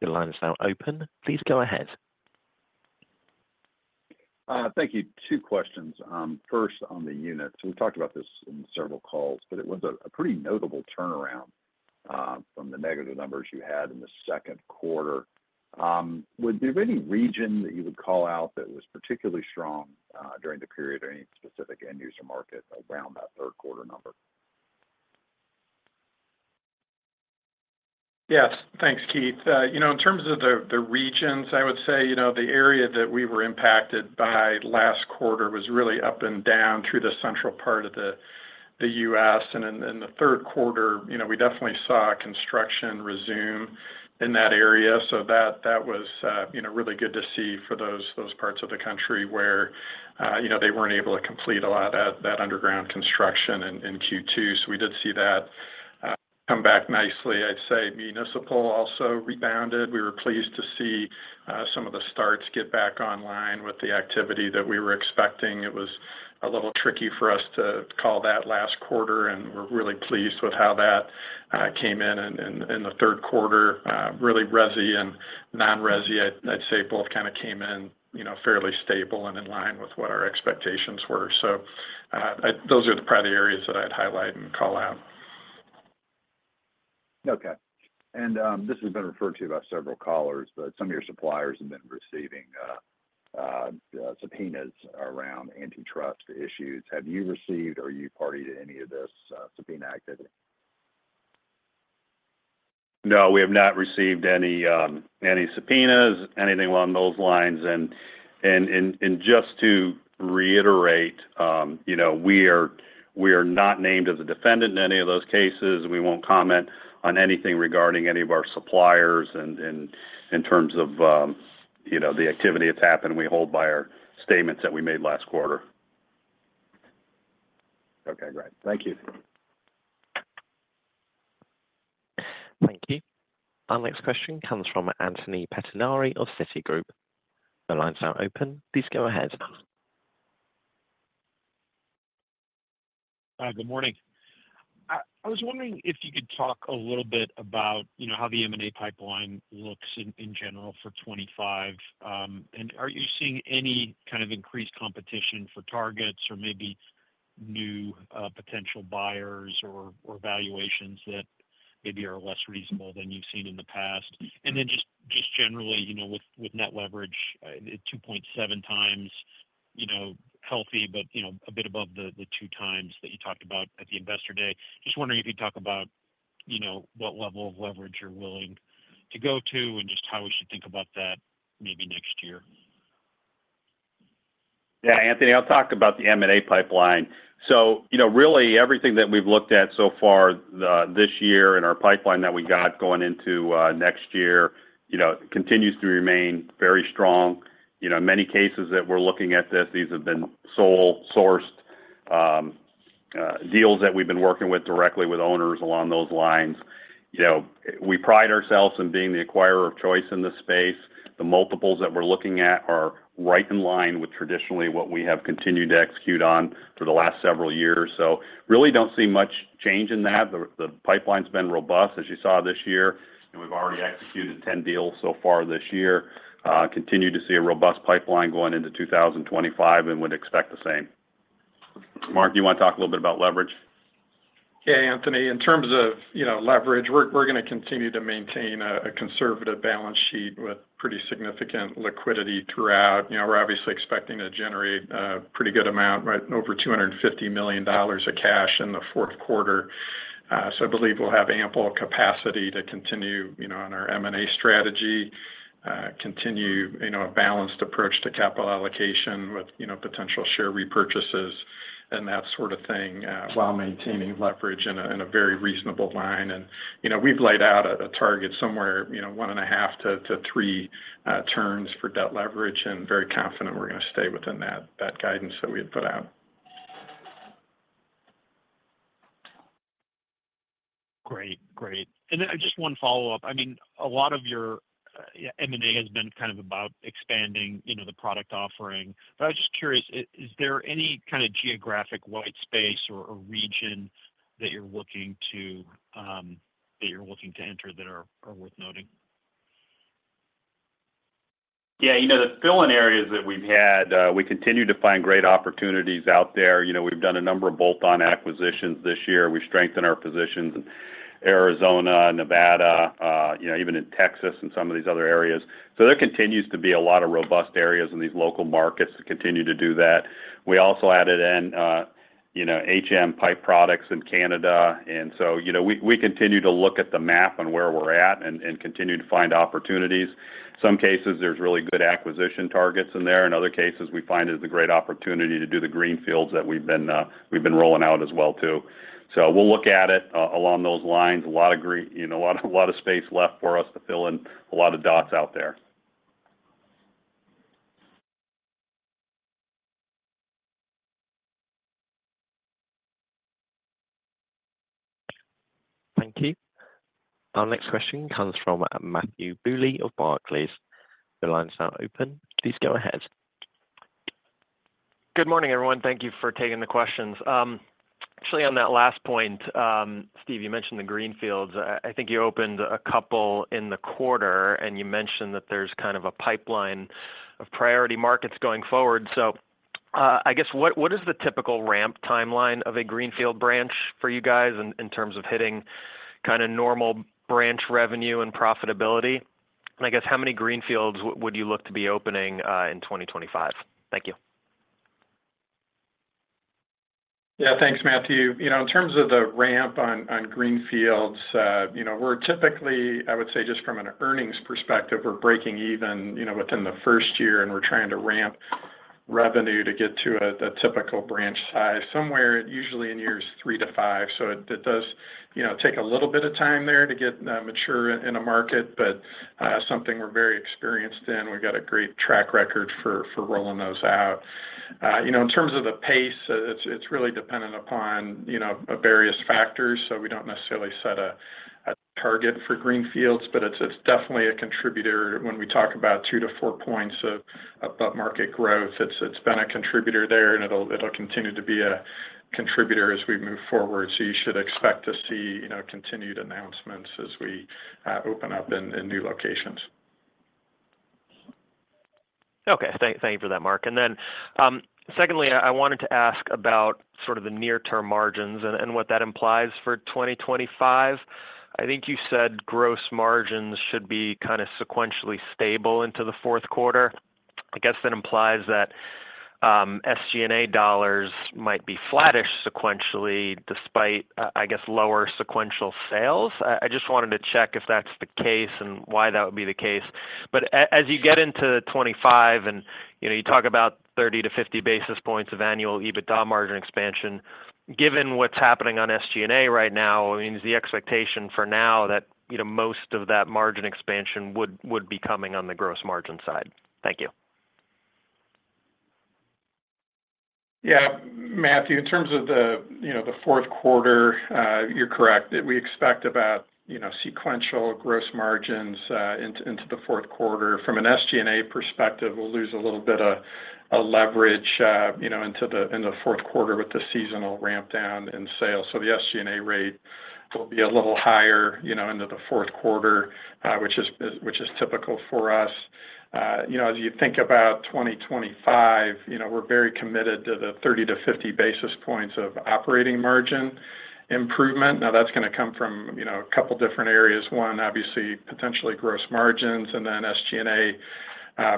Your line is now open. Please go ahead. Thank you. Two questions. First, on the units. We've talked about this in several calls, but it was a pretty notable turnaround from the negative numbers you had in the second quarter. Would there be any region that you would call out that was particularly strong during the period or any specific end-user market around that third quarter number? Yes. Thanks, Keith. In terms of the regions, I would say the area that we were impacted by last quarter was really up and down through the central part of the U.S. And in the third quarter, we definitely saw construction resume in that area. So that was really good to see for those parts of the country where they weren't able to complete a lot of that underground construction in Q2. So we did see that come back nicely. I'd say municipal also rebounded. We were pleased to see some of the starts get back online with the activity that we were expecting. It was a little tricky for us to call that last quarter, and we're really pleased with how that came in in the third quarter. Really resi and non-resi, I'd say both kind of came in fairly stable and in line with what our expectations were. So those are probably the areas that I'd highlight and call out. Okay. And this has been referred to by several callers, but some of your suppliers have been receiving subpoenas around antitrust issues. Have you received or are you party to any of this subpoena activity? No, we have not received any subpoenas, anything along those lines. And just to reiterate, we are not named as a defendant in any of those cases. We won't comment on anything regarding any of our suppliers in terms of the activity that's happened. We hold by our statements that we made last quarter. Okay. Great. Thank you. Thank you. Our next question comes from Anthony Pettinari of Citigroup. The line is now open. Please go ahead. Good morning. I was wondering if you could talk a little bit about how the M&A pipeline looks in general for 2025. And are you seeing any kind of increased competition for targets or maybe new potential buyers or valuations that maybe are less reasonable than you've seen in the past? And then just generally, with net leverage 2.7 times healthy, but a bit above the two times that you talked about at the investor day. Just wondering if you'd talk about what level of leverage you're willing to go to and just how we should think about that maybe next year. Yeah, Anthony, I'll talk about the M&A pipeline. So really, everything that we've looked at so far this year and our pipeline that we got going into next year continues to remain very strong. In many cases that we're looking at this, these have been sole-sourced deals that we've been working with directly with owners along those lines. We pride ourselves on being the acquirer of choice in this space. The multiples that we're looking at are right in line with traditionally what we have continued to execute on for the last several years. So really don't see much change in that. The pipeline's been robust, as you saw this year. We've already executed 10 deals so far this year. Continue to see a robust pipeline going into 2025 and would expect the same. Mark, you want to talk a little bit about leverage? Yeah, Anthony. In terms of leverage, we're going to continue to maintain a conservative balance sheet with pretty significant liquidity throughout. We're obviously expecting to generate a pretty good amount, over $250 million of cash in the fourth quarter. So I believe we'll have ample capacity to continue on our M&A strategy, continue a balanced approach to capital allocation with potential share repurchases and that sort of thing while maintaining leverage in a very reasonable line. And we've laid out a target somewhere one and a half to three turns for debt leverage and very confident we're going to stay within that guidance that we had put out. Great. Great. And then just one follow-up. I mean, a lot of your M&A has been kind of about expanding the product offering. But I was just curious, is there any kind of geographic white space or region that you're looking to enter that are worth noting? Yeah. The fill-in areas that we've had, we continue to find great opportunities out there. We've done a number of bolt-on acquisitions this year. We strengthen our positions in Arizona, Nevada, even in Texas and some of these other areas. So there continues to be a lot of robust areas in these local markets that continue to do that. We also added in HM Pipe Products in Canada. And so we continue to look at the map on where we're at and continue to find opportunities. In some cases, there's really good acquisition targets in there. In other cases, we find it's a great opportunity to do the greenfields that we've been rolling out as well too. So we'll look at it along those lines. A lot of green a lot of space left for us to fill in a lot of dots out there. Thank you. Our next question comes from Matthew Bouley of Barclays. The line is now open. Please go ahead. Good morning, everyone. Thank you for taking the questions. Actually, on that last point, Steve, you mentioned the greenfields. I think you opened a couple in the quarter, and you mentioned that there's kind of a pipeline of priority markets going forward. So I guess, what is the typical ramp timeline of a greenfield branch for you guys in terms of hitting kind of normal branch revenue and profitability? And I guess, how many greenfields would you look to be opening in 2025? Thank you. Yeah. Thanks, Matthew. In terms of the ramp on Greenfields, we're typically, I would say, just from an earnings perspective, we're breaking even within the first year, and we're trying to ramp revenue to get to a typical branch size somewhere usually in years three to five. So it does take a little bit of time there to get mature in a market, but something we're very experienced in. We've got a great track record for rolling those out. In terms of the pace, it's really dependent upon various factors. So we don't necessarily set a target for Greenfields, but it's definitely a contributor when we talk about two to four points of market growth. It's been a contributor there, and it'll continue to be a contributor as we move forward. So you should expect to see continued announcements as we open up in new locations. Okay. Thank you for that, Mark. And then secondly, I wanted to ask about sort of the near-term margins and what that implies for 2025. I think you said gross margins should be kind of sequentially stable into the fourth quarter. I guess that implies that SG&A dollars might be flattish sequentially despite, I guess, lower sequential sales. I just wanted to check if that's the case and why that would be the case. But as you get into 2025 and you talk about 30-50 basis points of annual EBITDA margin expansion, given what's happening on SG&A right now, I mean, is the expectation for now that most of that margin expansion would be coming on the gross margin side? Thank you. Yeah. Matthew, in terms of the fourth quarter, you're correct. We expect about sequential gross margins into the fourth quarter. From an SG&A perspective, we'll lose a little bit of leverage into the fourth quarter with the seasonal ramp down in sales. So the SG&A rate will be a little higher into the fourth quarter, which is typical for us. As you think about 2025, we're very committed to the 30 to 50 basis points of operating margin improvement. Now, that's going to come from a couple of different areas. One, obviously, potentially gross margins, and then SG&A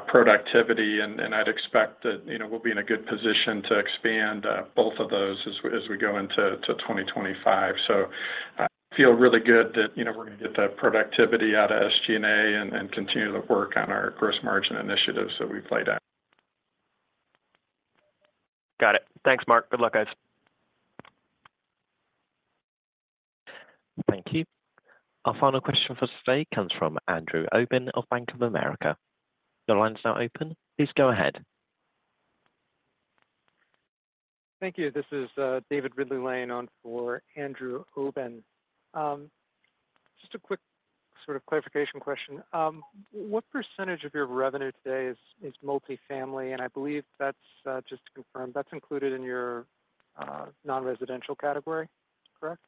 productivity. And I'd expect that we'll be in a good position to expand both of those as we go into 2025. So I feel really good that we're going to get that productivity out of SG&A and continue to work on our gross margin initiatives that we've laid out. Got it. Thanks, Mark. Good luck, guys. Thank you. Our final question for today comes from Andrew Obin of Bank of America. The line is now open. Please go ahead. Thank you. This is David Ridley-Lane on for Andrew Obin. Just a quick sort of clarification question. What percentage of your revenue today is multifamily? And I believe that's just to confirm, that's included in your non-residential category, correct?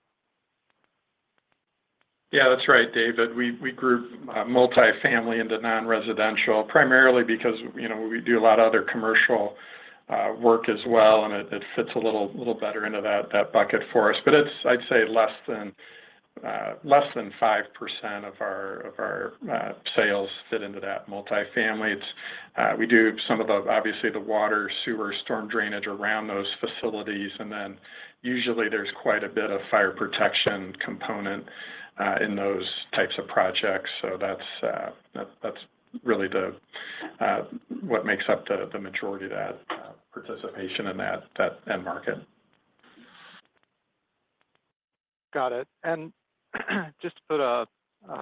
Yeah, that's right, David. We group multifamily into non-residential primarily because we do a lot of other commercial work as well, and it fits a little better into that bucket for us. But I'd say less than 5% of our sales fit into that multifamily. We do some of the, obviously, the water, sewer, storm drainage around those facilities. And then usually, there's quite a bit of fire protection component in those types of projects. So that's really what makes up the majority of that participation in that end market. Got it. finer point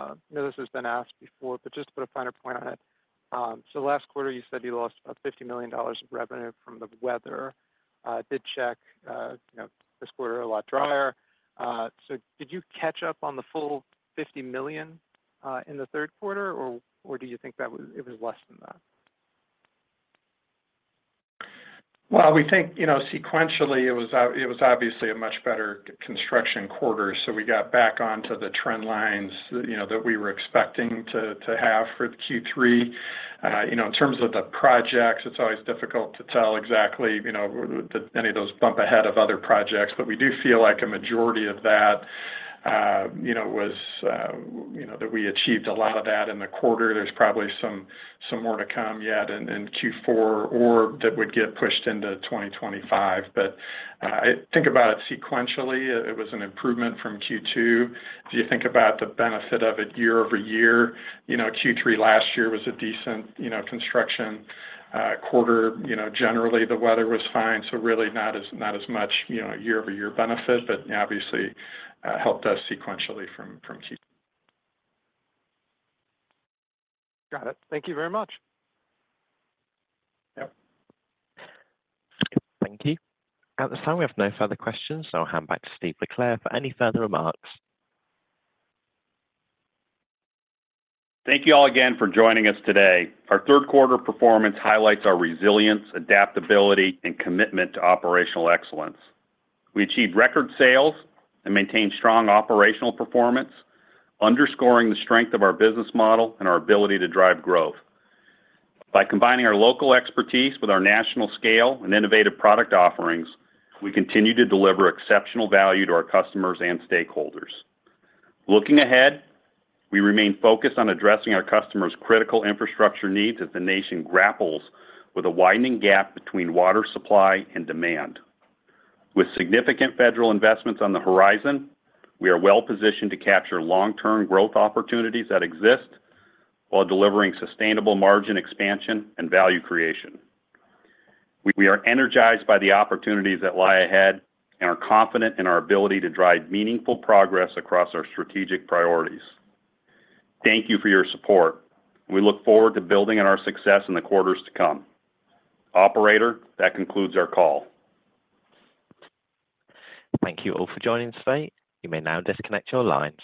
on it. This has been asked before, but just to put a finer point on it. So last quarter, you said you lost about $50 million of revenue from the weather. It was a lot drier this quarter. So did you catch up on the full $50 million in the third quarter, or do you think it was less than that? We think sequentially, it was obviously a much better construction quarter. We got back onto the trend lines that we were expecting to have for Q3. In terms of the projects, it's always difficult to tell exactly that any of those bump ahead of other projects. But we do feel like a majority of that was that we achieved a lot of that in the quarter. There's probably some more to come yet in Q4 or that would get pushed into 2025. But I think about it sequentially. It was an improvement from Q2. If you think about the benefit of it year over year, Q3 last year was a decent construction quarter. Generally, the weather was fine. So really not as much year-over-year benefit, but obviously helped us sequentially from Q2. Got it. Thank you very much. Yep. Thank you. At this time, we have no further questions, so I'll hand back to Steve LeClair for any further remarks. Thank you all again for joining us today. Our third-quarter performance highlights our resilience, adaptability, and commitment to operational excellence. We achieved record sales and maintained strong operational performance, underscoring the strength of our business model and our ability to drive growth. By combining our local expertise with our national scale and innovative product offerings, we continue to deliver exceptional value to our customers and stakeholders. Looking ahead, we remain focused on addressing our customers' critical infrastructure needs as the nation grapples with a widening gap between water supply and demand. With significant federal investments on the horizon, we are well-positioned to capture long-term growth opportunities that exist while delivering sustainable margin expansion and value creation. We are energized by the opportunities that lie ahead and are confident in our ability to drive meaningful progress across our strategic priorities. Thank you for your support. We look forward to building on our success in the quarters to come. Operator, that concludes our call. Thank you all for joining today. You may now disconnect your lines.